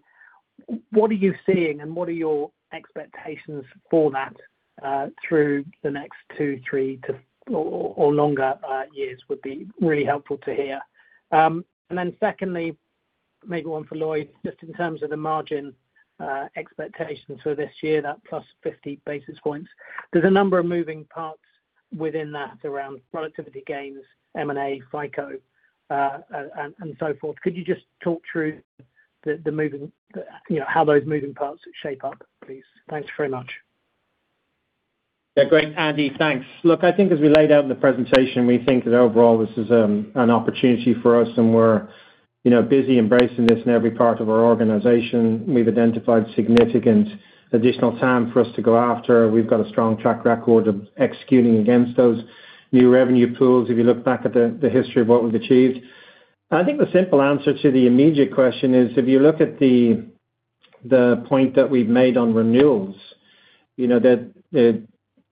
What are you seeing, what are your expectations for that through the next two, three, or longer years would be really helpful to hear. Secondly, maybe for Lloyd, just in terms of the margin expectations for this year, that +50 basis points, there's a number of moving parts within that around productivity gains, M&A, FICO, and so forth. Could you just talk through how those moving parts shape up, please? Thanks very much. Yeah. Great. Andy, thanks. Look, I think as we laid out in the presentation, we think that overall, this is an opportunity for us. We're busy embracing this in every part of our organization. We've identified significant additional TAM for us to go after. We've got a strong track record of executing against those new revenue pools if you look back at the history of what we've achieved. I think the simple answer to the immediate question is if you look at the point that we've made on renewals,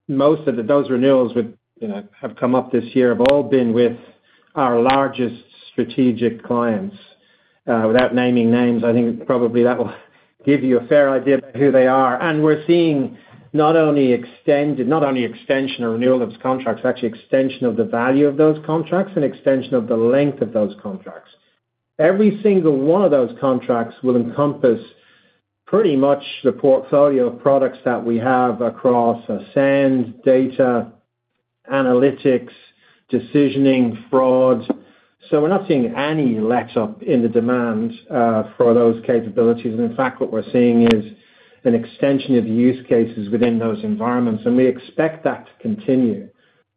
most of those renewals that have come up this year have all been with our largest strategic clients. Without naming names, I think probably that will give you a fair idea about who they are. We're seeing not only extension or renewal of those contracts, actually extension of the value of those contracts and extension of the length of those contracts. Every single one of those contracts will encompass pretty much the portfolio of products that we have across Ascend, data, analytics, decisioning, fraud. We're not seeing any letup in the demand for those capabilities. In fact, what we're seeing is an extension of use cases within those environments. We expect that to continue.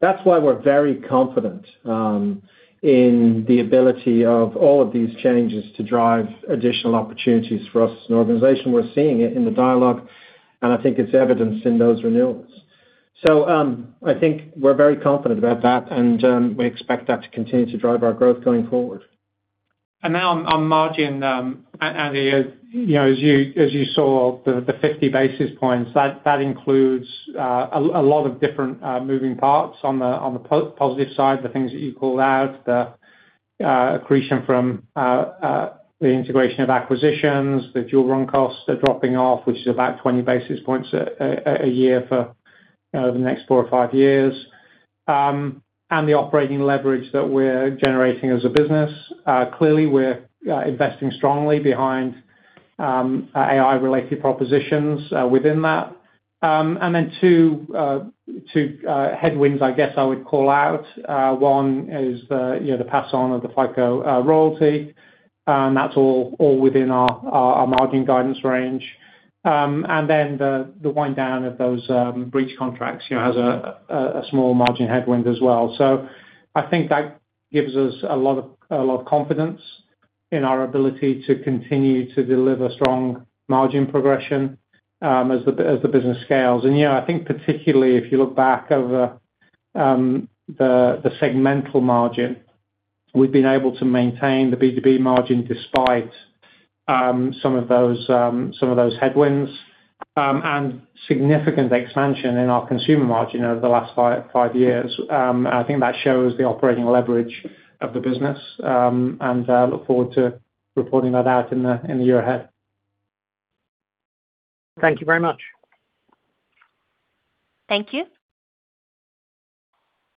That's why we're very confident in the ability of all of these changes to drive additional opportunities for us as an organization. We're seeing it in the dialogue, and I think it's evidenced in those renewals. I think we're very confident about that, and we expect that to continue to drive our growth going forward. Now on margin, Andy, as you saw the 50 basis points, that includes a lot of different moving parts on the positive side, the things that you called out, the accretion from the integration of acquisitions, the dual-run costs are dropping off, which is about 20 basis points a year for the next four or five years, and the operating leverage that we're generating as a business. Clearly, we're investing strongly behind AI-related propositions within that. Then two headwinds, I guess, I would call out. One is the pass-on of the FICO royalty, and that's all within our margin guidance range. Then the wind down of those breach contracts has a small margin headwind as well. I think that gives us a lot of confidence in our ability to continue to deliver strong margin progression as the business scales. I think particularly if you look back over the segmental margin, we've been able to maintain the B2B margin despite some of those headwinds and significant expansion in our consumer margin over the last five years. I think that shows the operating leverage of the business. I look forward to reporting that out in the year ahead. Thank you very much. Thank you.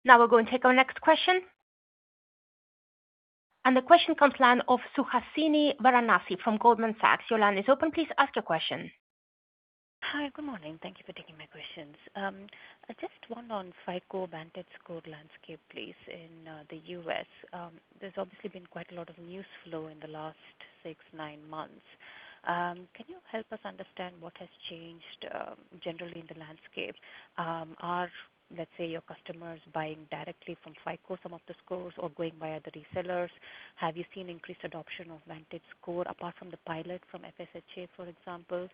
Now we're going to take our next question. The question comes to the line of Suhasini Varanasi from Goldman Sachs. Your line is open. Please ask your question. Hi. Good morning. Thank you for taking my questions. Just one on FICO-VantageScore landscape, please, in the U.S. There's obviously been quite a lot of news flow in the last six, nine months. Can you help us understand what has changed generally in the landscape? Let's say, your customers buying directly from FICO, some of the scores, or going via the resellers? Have you seen increased adoption of VantageScore apart from the pilot from FHFA, for example?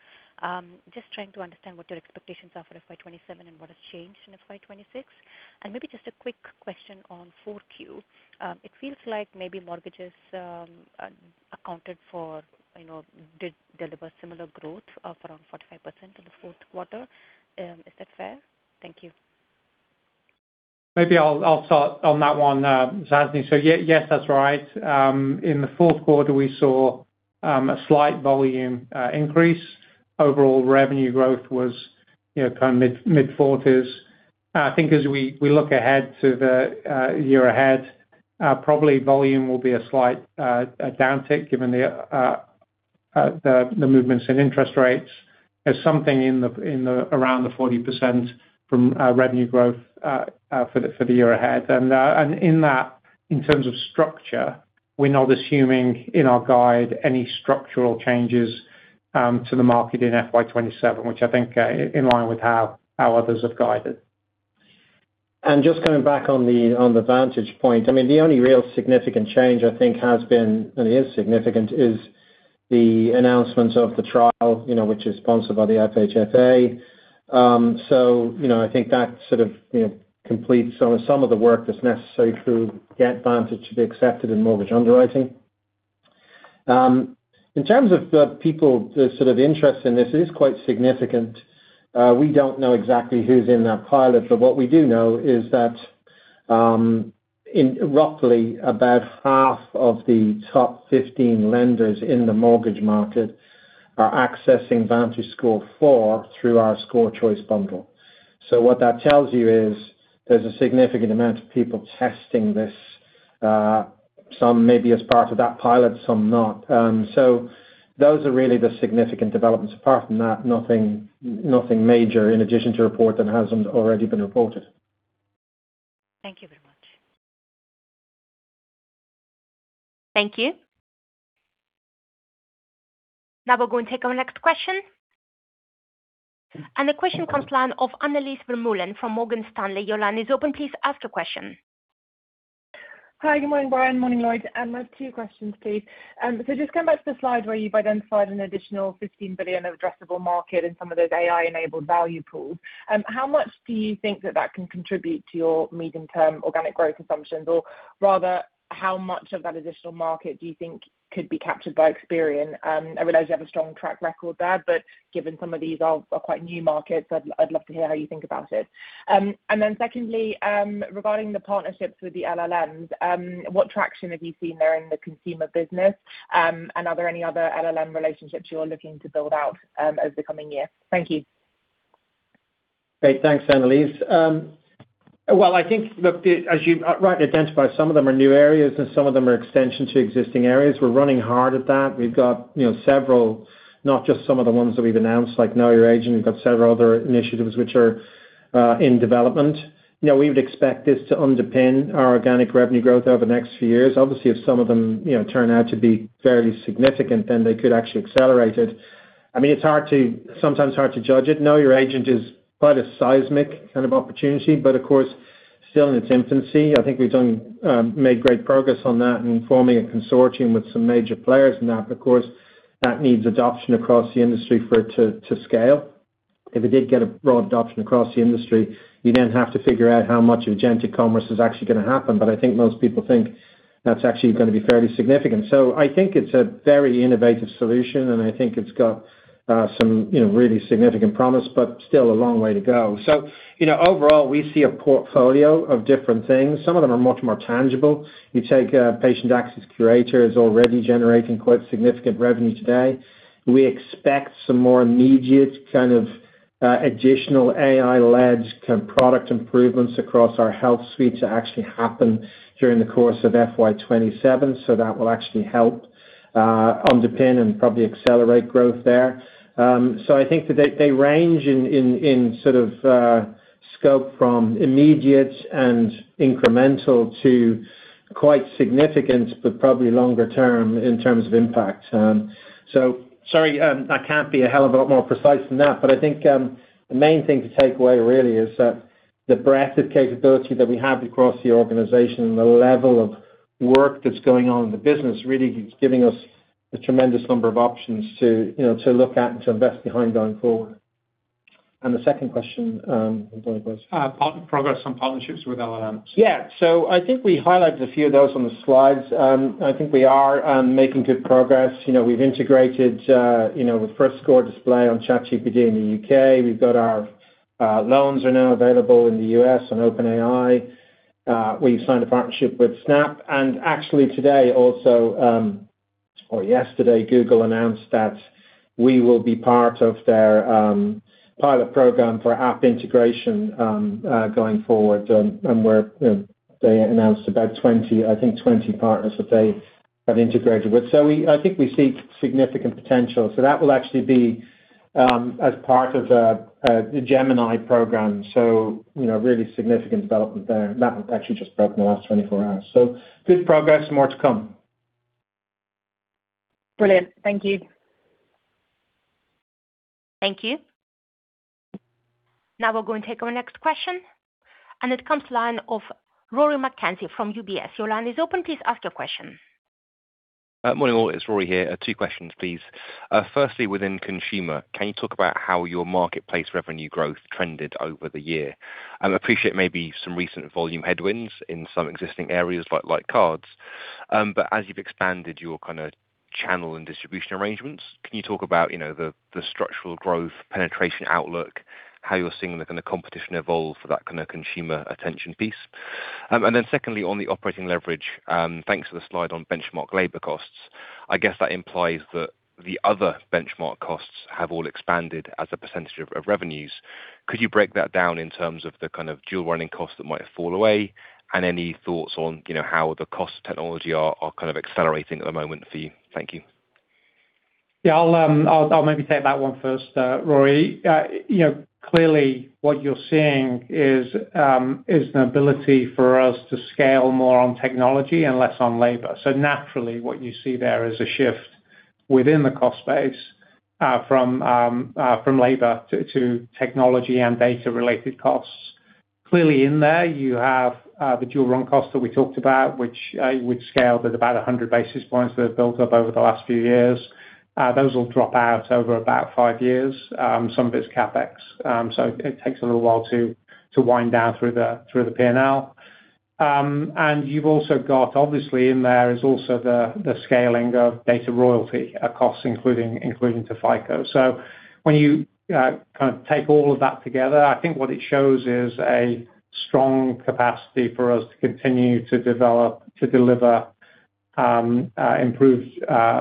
Just trying to understand what your expectations are for FY 2027 and what has changed in FY 2026. Maybe just a quick question on Q4. It feels like maybe mortgages accounted for did deliver similar growth of around 45% in the fourth quarter. Is that fair? Thank you. Maybe I'll start on that one, Suhasini. Yes, that's right. In the fourth quarter, we saw a slight volume increase. Overall revenue growth was kind of mid-40s. I think as we look ahead to the year ahead, probably volume will be a slight downtick given the movements in interest rates. There's something around the 40% from revenue growth for the year ahead. In that, in terms of structure, we're not assuming in our guide any structural changes to the market in FY 2027, which I think in line with how others have guided. Just coming back on the Vantage point, I mean, the only real significant change, I think, has been and is significant is the announcement of the trial, which is sponsored by the FHFA. I think that sort of completes some of the work that's necessary to get Vantage to be accepted in mortgage underwriting. In terms of the people that sort of interest in this, it is quite significant. We don't know exactly who's in that pilot. What we do know is that roughly about half of the top 15 lenders in the mortgage market are accessing VantageScore 4.0 through our Score Choice Bundle. What that tells you is there's a significant amount of people testing this, some maybe as part of that pilot, some not. Apart from that, nothing major in addition to report that hasn't already been reported. Thank you very much. Thank you. We're going to take our next question. The question comes to the line of Annelies Vermeulen from Morgan Stanley. Your line is open. Please ask your question. Hi. Good morning, Brian. Morning, Lloyd. I have two questions, please. Just coming back to the slide where you've identified an additional 15 billion of addressable market in some of those AI-enabled value pools, how much do you think that that can contribute to your medium-term organic growth assumptions? Rather, how much of that additional market do you think could be captured by Experian? I realize you have a strong track record there, but given some of these are quite new markets, I'd love to hear how you think about it. Secondly, regarding the partnerships with the LLMs, what traction have you seen there in the consumer business? Are there any other LLM relationships you're looking to build out over the coming year? Thank you. Great. Thanks, Annelies. Well, I think, look, as you rightly identified, some of them are new areas, and some of them are extensions to existing areas. We're running hard at that. We've got several, not just some of the ones that we've announced like Know Your Agent. We've got several other initiatives which are in development. We would expect this to underpin our organic revenue growth over the next few years. If some of them turn out to be fairly significant, they could actually accelerate it. I mean, it's sometimes hard to judge it. Know Your Agent is quite a seismic kind of opportunity, of course, still in its infancy. I think we've made great progress on that and forming a consortium with some major players in that. Of course, that needs adoption across the industry for it to scale. If it did get a broad adoption across the industry, you have to figure out how much of agentic commerce is actually going to happen. I think most people think that's actually going to be fairly significant. I think it's a very innovative solution, I think it's got some really significant promise still a long way to go. Overall, we see a portfolio of different things. Some of them are much more tangible. You take Patient Access Curator, it's already generating quite significant revenue today. We expect some more immediate kind of additional AI-led product improvements across our health suite to actually happen during the course of FY 2027. That will actually help underpin and probably accelerate growth there. I think that they range in sort of scope from immediate and incremental to quite significant but probably longer-term in terms of impact. Sorry, I can't be a hell of a lot more precise than that. I think the main thing to take away really is that the breadth of capability that we have across the organization and the level of work that's going on in the business really is giving us a tremendous number of options to look at and to invest behind going forward. The second question, I'm going to go ahead. Progress on partnerships with LLMs. I think we highlighted a few of those on the slides. I think we are making good progress. We've integrated with First Score Display on ChatGPT in the U.K. We've got our loans are now available in the U.S. on OpenAI. We've signed a partnership with Snap. Actually, today also or yesterday, Google announced that we will be part of their pilot program for app integration going forward. They announced about 20 partners that they have integrated with. I think we see significant potential. That will actually be as part of the Gemini program. Really significant development there. That actually just broke in the last 24 hours. Good progress, more to come. Brilliant. Thank you. Thank you. Now we're going to take our next question. It comes to the line of Rory McKenzie from UBS. Your line is open. Please ask your question. Morning, Lloyd. It's Rory here. Two questions, please. Firstly, within consumer, can you talk about how your marketplace revenue growth trended over the year? I appreciate maybe some recent volume headwinds in some existing areas like cards. As you've expanded your kind of channel and distribution arrangements, can you talk about the structural growth penetration outlook, how you're seeing the kind of competition evolve for that kind of consumer attention piece? Then secondly, on the operating leverage, thanks to the slide on benchmark labor costs, I guess that implies that the other benchmark costs have all expanded as a percentage of revenues. Could you break that down in terms of the kind of dual-running costs that might fall away and any thoughts on how the cost of technology are kind of accelerating at the moment for you? Thank you. Yeah. I'll maybe take that one first, Rory. What you're seeing is the ability for us to scale more on technology and less on labor. Naturally, what you see there is a shift within the cost base from labor to technology and data-related costs. In there, you have the dual-run cost that we talked about, which would scale to about 100 basis points that have built up over the last few years. Those will drop out over about five years, some of its CapEx. It takes a little while to wind down through the P&L. You've also got, obviously, in there is also the scaling of data royalty costs, including to FICO. When you kind of take all of that together, I think what it shows is a strong capacity for us to continue to develop, to deliver improved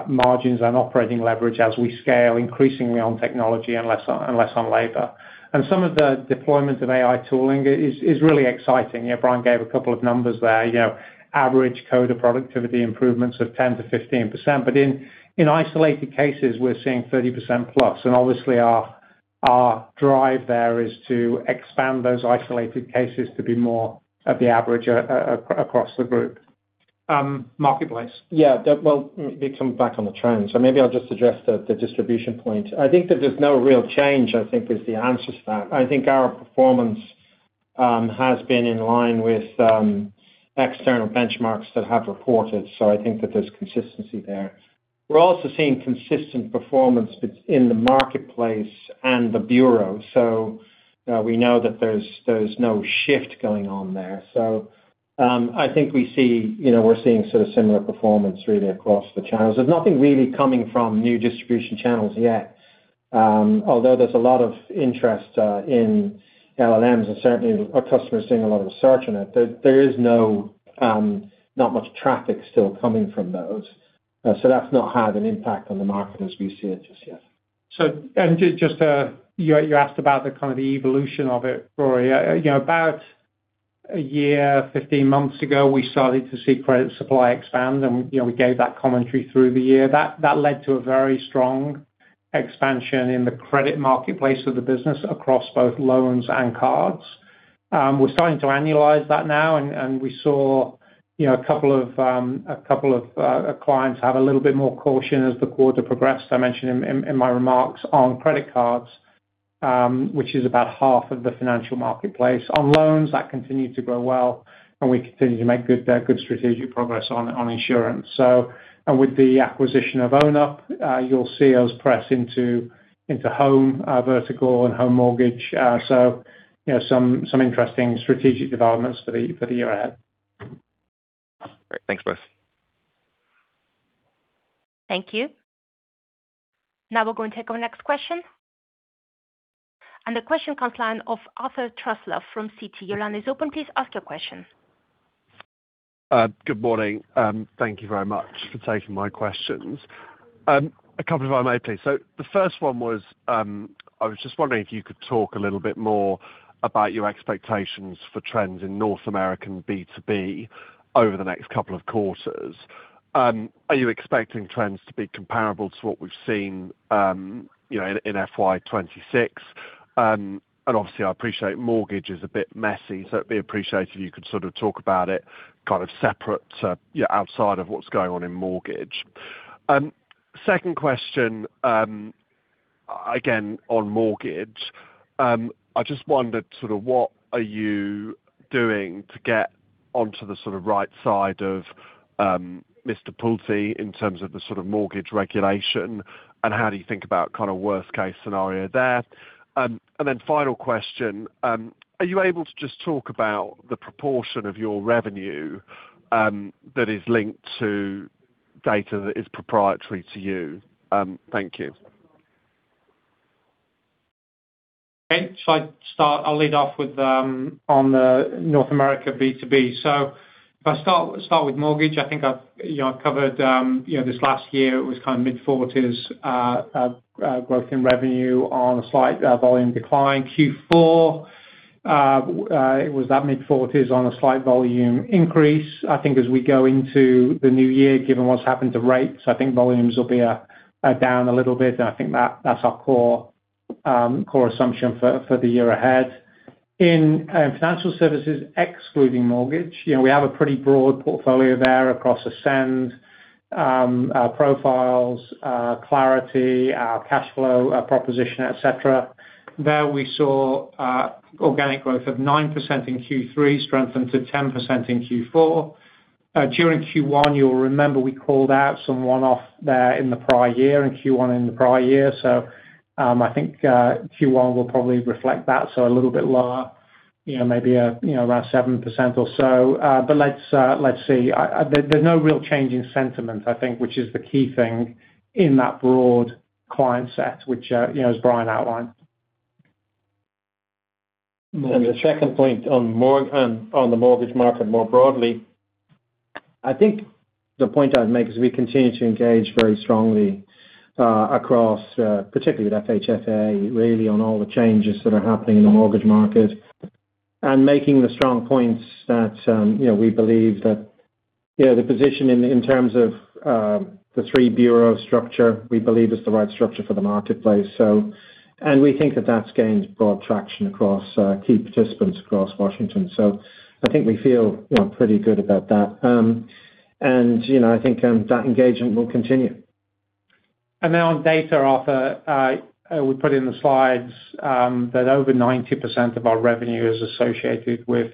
margins and operating leverage as we scale increasingly on technology and less on labor. Some of the deployment of AI tooling is really exciting. Brian gave a couple of numbers there, average coder productivity improvements of 10%-15%. In isolated cases, we're seeing 30%+. Obviously, our drive there is to expand those isolated cases to be more of the average across the group. Marketplace. Yeah. Well, maybe come back on the trends. Maybe I'll just address the distribution point. I think that there's no real change, I think, is the answer to that. I think our performance has been in line with external benchmarks that have reported. I think that there's consistency there. We're also seeing consistent performance in the marketplace and the bureau. We know that there's no shift going on there. I think we're seeing sort of similar performance really across the channels. There's nothing really coming from new distribution channels yet. Although there's a lot of interest in LLMs and certainly, our customers are seeing a lot of research on it, there is not much traffic still coming from those. That's not had an impact on the market as we see it just yet. Just you asked about kind of the evolution of it, Rory. About a year, 15 months ago, we started to see credit supply expand, and we gave that commentary through the year. That led to a very strong expansion in the credit marketplace of the business across both loans and cards. We're starting to annualize that now. We saw a couple of clients have a little bit more caution as the quarter progressed, I mentioned in my remarks, on credit cards, which is about half of the financial marketplace. On loans, that continued to grow well, and we continued to make good strategic progress on insurance. With the acquisition of Own Up, you'll see us press into home vertical and home mortgage. Some interesting strategic developments for the year ahead. Great. Thanks, both. Thank you. Now we're going to take our next question. The question comes to the line of Arthur Truslove from Citi. Your line is open. Please ask your question. Good morning. Thank you very much for taking my questions. A couple if I may, please. The first one was I was just wondering if you could talk a little bit more about your expectations for trends in North American B2B over the next couple of quarters. Are you expecting trends to be comparable to what we've seen in FY 2026? Obviously, I appreciate mortgage is a bit messy, so it'd be appreciated if you could sort of talk about it kind of separate outside of what's going on in mortgage. Second question, again, on mortgage, I just wondered sort of what are you doing to get onto the sort of right side of Mr. Pulte in terms of the sort of mortgage regulation, and how do you think about kind of worst-case scenario there? Final question, are you able to just talk about the proportion of your revenue that is linked to data that is proprietary to you? Thank you. Okay. I'll lead off with. On the North America B2B. If I start with mortgage, I think I've covered this last year. It was kind of mid-40s growth in revenue on a slight volume decline. Q4, it was that mid-40s on a slight volume increase. I think as we go into the new year, given what's happened to rates, I think volumes will be down a little bit. I think that's our core assumption for the year ahead. In financial services, excluding mortgage, we have a pretty broad portfolio there across Ascend, Profiles, Clarity, our cash flow proposition, etc. There, we saw organic growth of 9% in Q3, strengthened to 10% in Q4. During Q1, you'll remember we called out some one-off there in the prior year and Q1 in the prior year. I think Q1 will probably reflect that, a little bit lower, maybe around 7% or so. Let's see. There's no real change in sentiment, I think, which is the key thing in that broad client set, which as Brian outlined. The second point on the mortgage market more broadly, I think the point I'd make is we continue to engage very strongly across, particularly with FHFA, really on all the changes that are happening in the mortgage market and making the strong points that we believe that the position in terms of the three-bureau structure, we believe, is the right structure for the marketplace. We think that that's gained broad traction across key participants across Washington. I think we feel pretty good about that. I think that engagement will continue. Now on data offer, we put in the slides that over 90% of our revenue is associated with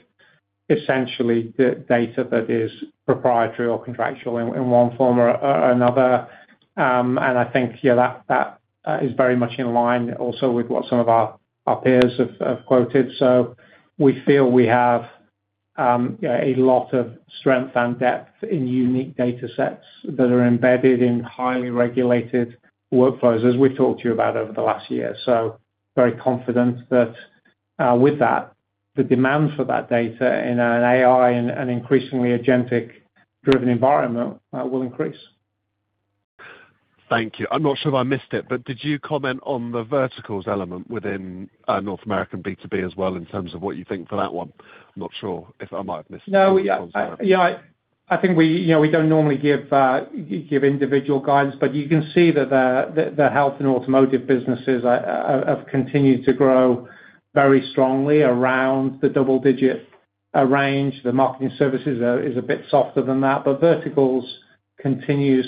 essentially data that is proprietary or contractual in one form or another. I think that is very much in line also with what some of our peers have quoted. We feel we have a lot of strength and depth in unique datasets that are embedded in highly regulated workflows, as we've talked to you about over the last year. Very confident that with that, the demand for that data in an AI and increasingly agentic-driven environment will increase. Thank you. I'm not sure if I missed it, but did you comment on the verticals element within North American B2B as well in terms of what you think for that one? I'm not sure if I might have missed it. No, yeah. I think we don't normally give individual guidance. You can see that the health and automotive businesses have continued to grow very strongly around the double-digit range. The marketing services is a bit softer than that. Verticals continue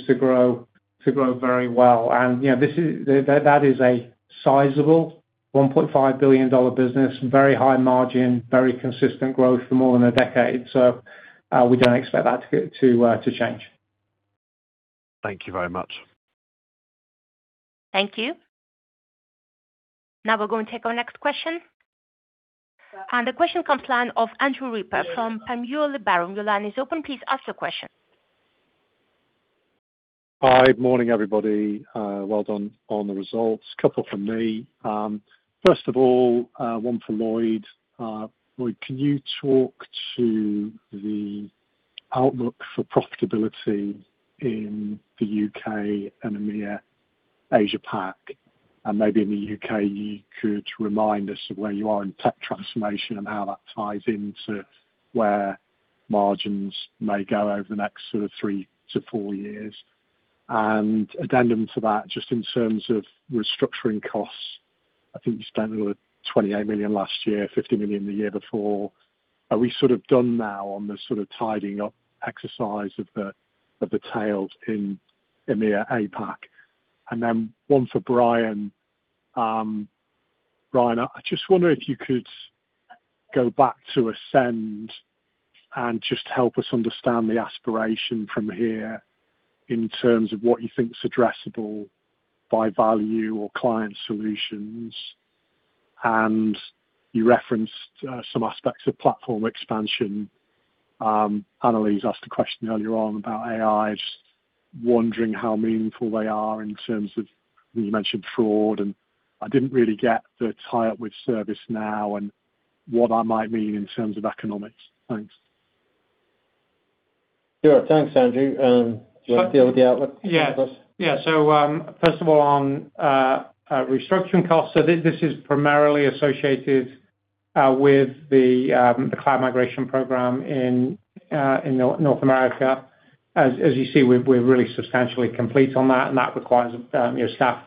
to grow very well. That is a sizable GBP 1.5 billion business, very high margin, very consistent growth for more than a decade. We don't expect that to change. Thank you very much. Thank you. We're going to take our next question. The question comes to the line of Andrew Ripper from Panmure Liberum. Your line is open. Please ask your question. Hi. Morning, everybody. Well done on the results. Couple from me. First of all, one for Lloyd. Lloyd, can you talk to the outlook for profitability in the U.K. and EMEA Asia PAC? Maybe in the U.K., you could remind us of where you are in tech transformation and how that ties into where margins may go over the next sort of three to four years. Addendum to that, just in terms of restructuring costs, I think you spent a little 28 million last year, 50 million the year before. Are we sort of done now on the sort of tidying up exercise of the tail in EMEA APAC? One for Brian. Brian, I just wonder if you could go back to Ascend and just help us understand the aspiration from here in terms of what you think's addressable by value or client solutions. You referenced some aspects of platform expansion. Annelies asked a question earlier on about AI. Just wondering how meaningful they are in terms of you mentioned fraud, and I didn't really get the tie-up with ServiceNow and what that might mean in terms of economics. Thanks. Sure. Thanks, Andrew. Do you want to deal with the outlook? Yeah. Yeah. First of all, on restructuring costs, this is primarily associated with the cloud migration program in North America. As you see, we're really substantially complete on that, and that requires staff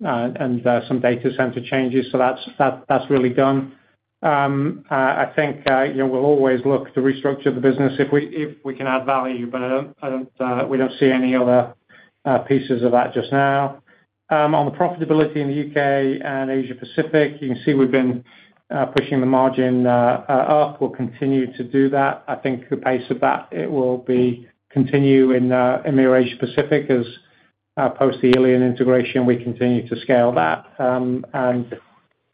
and some data center changes. That's really done. I think we'll always look to restructure the business if we can add value, but we don't see any other pieces of that just now. On the profitability in the U.K. and Asia Pacific, you can see we've been pushing the margin up. We'll continue to do that. I think the pace of that, it will continue in a Middle East Asia Pacific as post-the illion integration, we continue to scale that.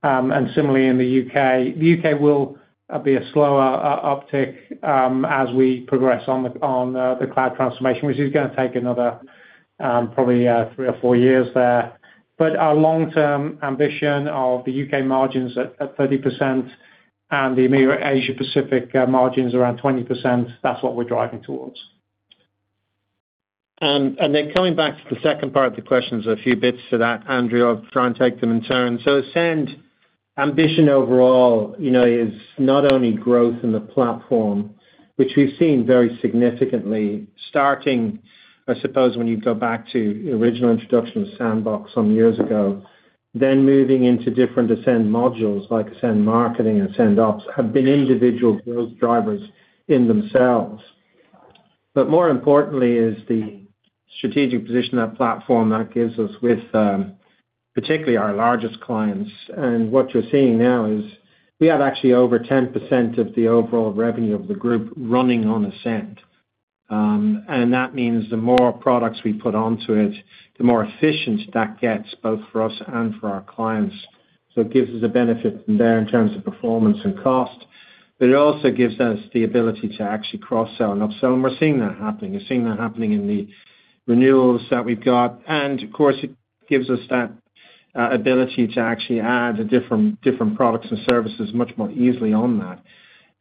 Similarly, in the U.K., the U.K. will be a slower uptick as we progress on the cloud transformation, which is going to take another probably three or four years there. Our long-term ambition of the U.K. margins at 30% and the Middle East Asia Pacific margins around 20%, that's what we're driving towards. Coming back to the second part of the questions, a few bits to that, Andrew. I'll try and take them in turn. Ascend, ambition overall is not only growth in the platform, which we've seen very significantly starting, I suppose, when you go back to the original introduction of Sandbox some years ago, then moving into different Ascend modules like Ascend Marketing and Ascend Ops have been individual growth drivers in themselves. More importantly, is the strategic position that platform that gives us with particularly our largest clients. What you're seeing now is we have actually over 10% of the overall revenue of the group running on Ascend. That means the more products we put onto it, the more efficient that gets both for us and for our clients. It gives us a benefit there in terms of performance and cost. It also gives us the ability to actually cross-sell and upsell. We're seeing that happening. You're seeing that happening in the renewals that we've got. Of course, it gives us that ability to actually add different products and services much more easily on that.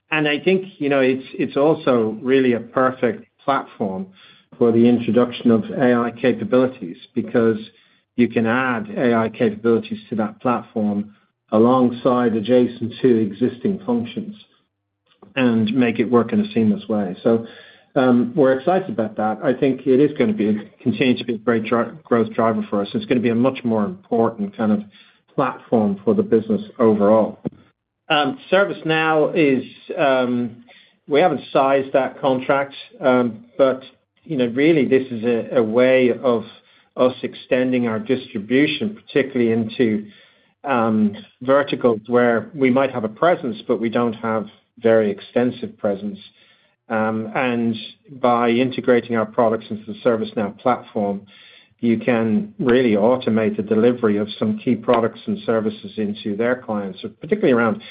I think it's also really a perfect platform for the introduction of AI capabilities because you can add AI capabilities to that platform alongside adjacent to existing functions and make it work in a seamless way. We're excited about that. I think it is going to continue to be a great growth driver for us. It's going to be a much more important kind of platform for the business overall. ServiceNow is we haven't sized that contract, but really, this is a way of us extending our distribution, particularly into verticals where we might have a presence, but we don't have very extensive presence. By integrating our products into the ServiceNow platform, you can really automate the delivery of some key products and services into their clients, particularly around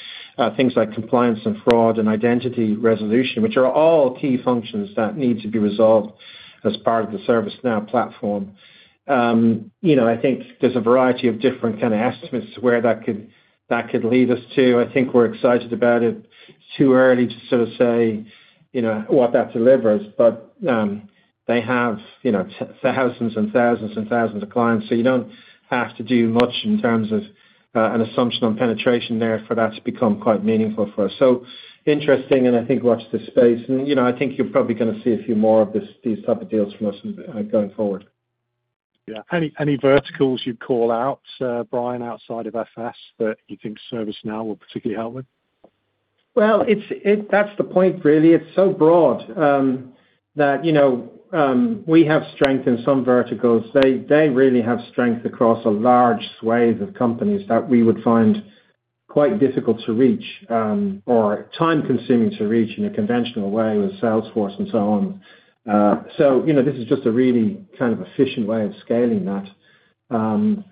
things like compliance and fraud and identity resolution, which are all key functions that need to be resolved as part of the ServiceNow platform. I think there's a variety of different kind of estimates to where that could lead us to. I think we're excited about it. It's too early to sort of say what that delivers, but they have thousands of clients. You don't have to do much in terms of an assumption on penetration there for that to become quite meaningful for us. Interesting, I think watch this space. I think you're probably going to see a few more of these type of deals from us going forward. Yeah. Any verticals you'd call out, Brian, outside of FS that you think ServiceNow will particularly help with? That's the point, really. It's so broad that we have strength in some verticals. They really have strength across a large swathe of companies that we would find quite difficult to reach or time-consuming to reach in a conventional way with Salesforce and so on. This is just a really kind of efficient way of scaling that.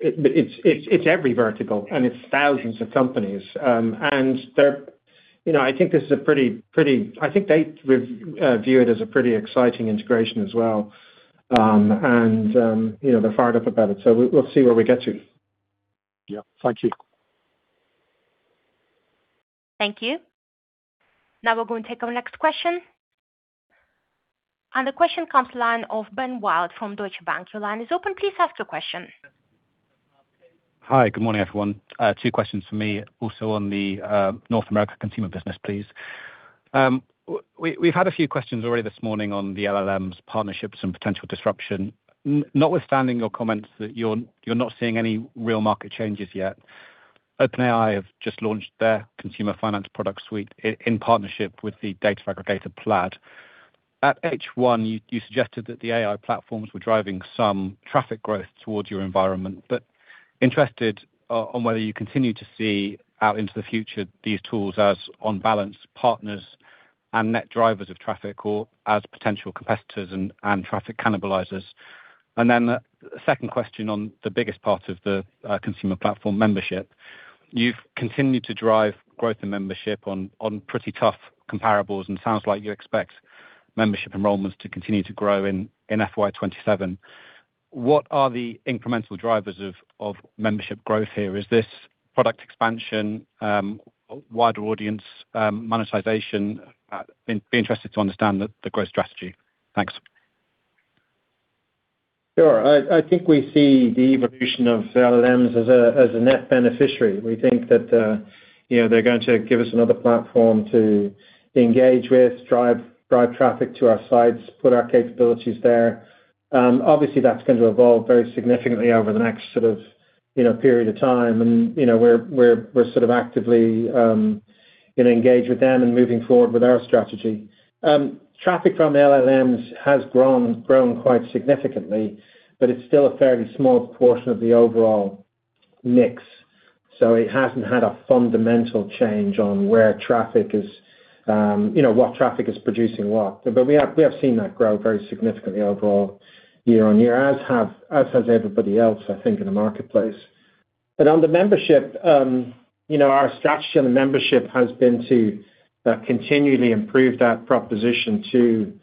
It's every vertical, and it's thousands of companies. I think this is a pretty I think they view it as a pretty exciting integration as well, and they're fired up about it. We'll see where we get to. Yep. Thank you. Thank you. Now we're going to take our next question. The question comes to the line of Ben Wild from Deutsche Bank. Your line is open. Hi. Good morning, everyone. Two questions for me, also on the North America consumer business, please. We've had a few questions already this morning on the LLMs, partnerships, and potential disruption. Notwithstanding your comments that you're not seeing any real market changes yet, OpenAI have just launched their consumer finance product suite in partnership with the data aggregator Plaid. At H1, you suggested that the AI platforms were driving some traffic growth towards your environment, but interested on whether you continue to see out into the future these tools as on-balance partners and net drivers of traffic or as potential competitors and traffic cannibalizers. The second question on the biggest part of the consumer platform membership. You've continued to drive growth in membership on pretty tough comparables, and it sounds like you expect membership enrollments to continue to grow in FY 2027. What are the incremental drivers of membership growth here? Is this product expansion, wider audience, monetization? Be interested to understand the growth strategy. Thanks. Sure. I think we see the evolution of LLMs as a net beneficiary. We think that they're going to give us another platform to engage with, drive traffic to our sites, put our capabilities there. Obviously, that's going to evolve very significantly over the next sort of period of time. We're sort of actively going to engage with them and moving forward with our strategy. Traffic from LLMs has grown quite significantly, but it's still a fairly small portion of the overall mix. It hasn't had a fundamental change on where traffic is what traffic is producing what. We have seen that grow very significantly overall year-on-year, as has everybody else, I think, in the marketplace. On the membership, our strategy on the membership has been to continually improve that proposition to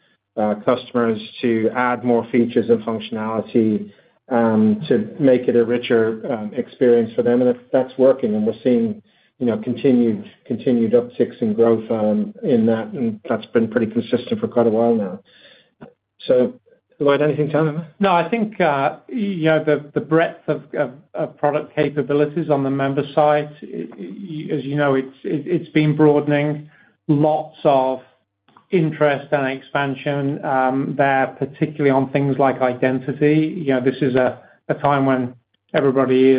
customers, to add more features and functionality, to make it a richer experience for them. That's working. We're seeing continued upticks and growth in that. That's been pretty consistent for quite a while now. Lloyd, anything to add? No, I think the breadth of product capabilities on the member site, as you know, it's been broadening. Lots of interest and expansion there, particularly on things like identity. This is a time when everybody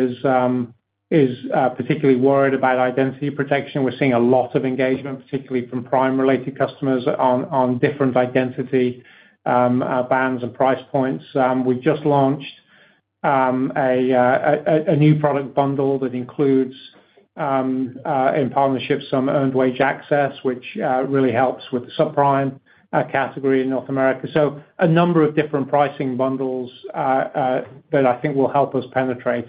is particularly worried about identity protection. We're seeing a lot of engagement, particularly from prime-related customers, on different identity bands and price points. We've just launched a new product bundle that includes, in partnership, some earned wage access, which really helps with the subprime category in North America. A number of different pricing bundles that I think will help us penetrate.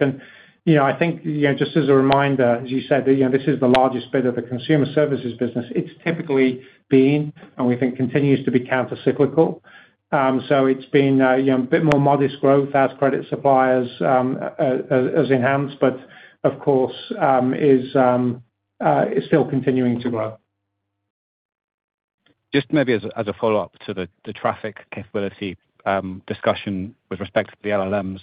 I think just as a reminder, as you said, this is the largest bit of the consumer services business. It's typically been, and we think continues to be, countercyclical. It's been a bit more modest growth as credit suppliers has enhanced, but of course, is still continuing to grow. Just maybe as a follow-up to the traffic capability discussion with respect to the LLMs,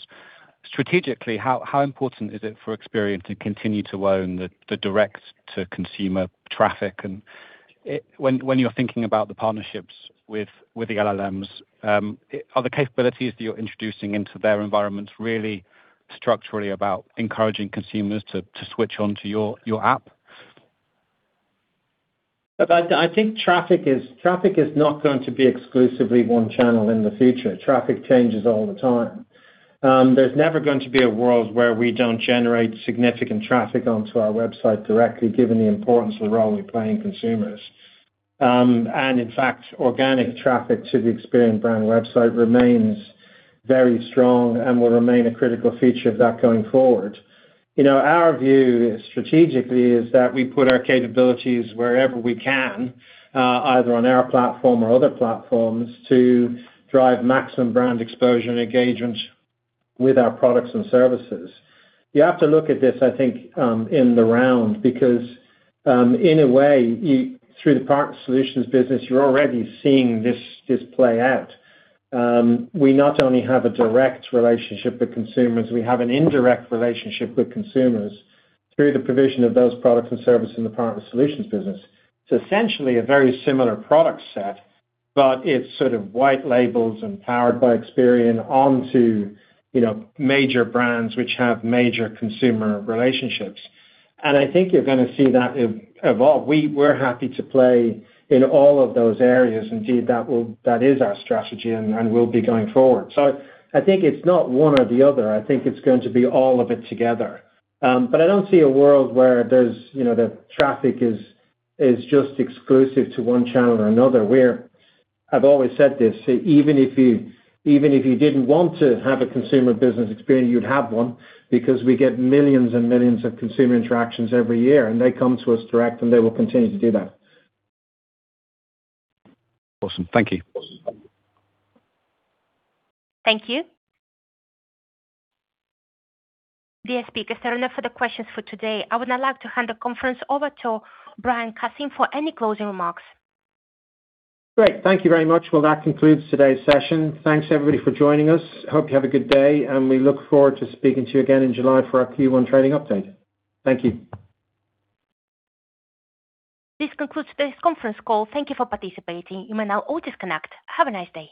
strategically, how important is it for Experian to continue to own the direct-to-consumer traffic? When you're thinking about the partnerships with the LLMs, are the capabilities that you're introducing into their environments really structurally about encouraging consumers to switch onto your app? I think traffic is not going to be exclusively one-channel in the future. Traffic changes all the time. There's never going to be a world where we don't generate significant traffic onto our website directly, given the importance of the role we play in consumers. In fact, organic traffic to the Experian brand website remains very strong and will remain a critical feature of that going forward. Our view strategically is that we put our capabilities wherever we can, either on our platform or other platforms, to drive maximum brand exposure and engagement with our products and services. You have to look at this, I think, in the round because, in a way, through the partner solutions business, you're already seeing this play out. We not only have a direct relationship with consumers, we have an indirect relationship with consumers through the provision of those products and services in the partner solutions business. It's essentially a very similar product set, but it's sort of white labels and powered by Experian onto major brands which have major consumer relationships. I think you're going to see that evolve. We're happy to play in all of those areas. Indeed, that is our strategy, and we'll be going forward. I think it's not one or the other. I think it's going to be all of it together. I don't see a world where the traffic is just exclusive to one channel or another. I've always said this. Even if you didn't want to have a consumer business Experian, you'd have one because we get millions and millions of consumer interactions every year, and they come to us direct, and they will continue to do that. Awesome. Thank you. Thank you. Dear speakers, there are no further questions for today. I would now like to hand the conference over to Brian Cassin for any closing remarks. Great. Thank you very much. Well, that concludes today's session. Thanks, everybody, for joining us. Hope you have a good day. We look forward to speaking to you again in July for our Q1 trading update. Thank you. This concludes today's conference call. Thank you for participating. You may now all disconnect. Have a nice day.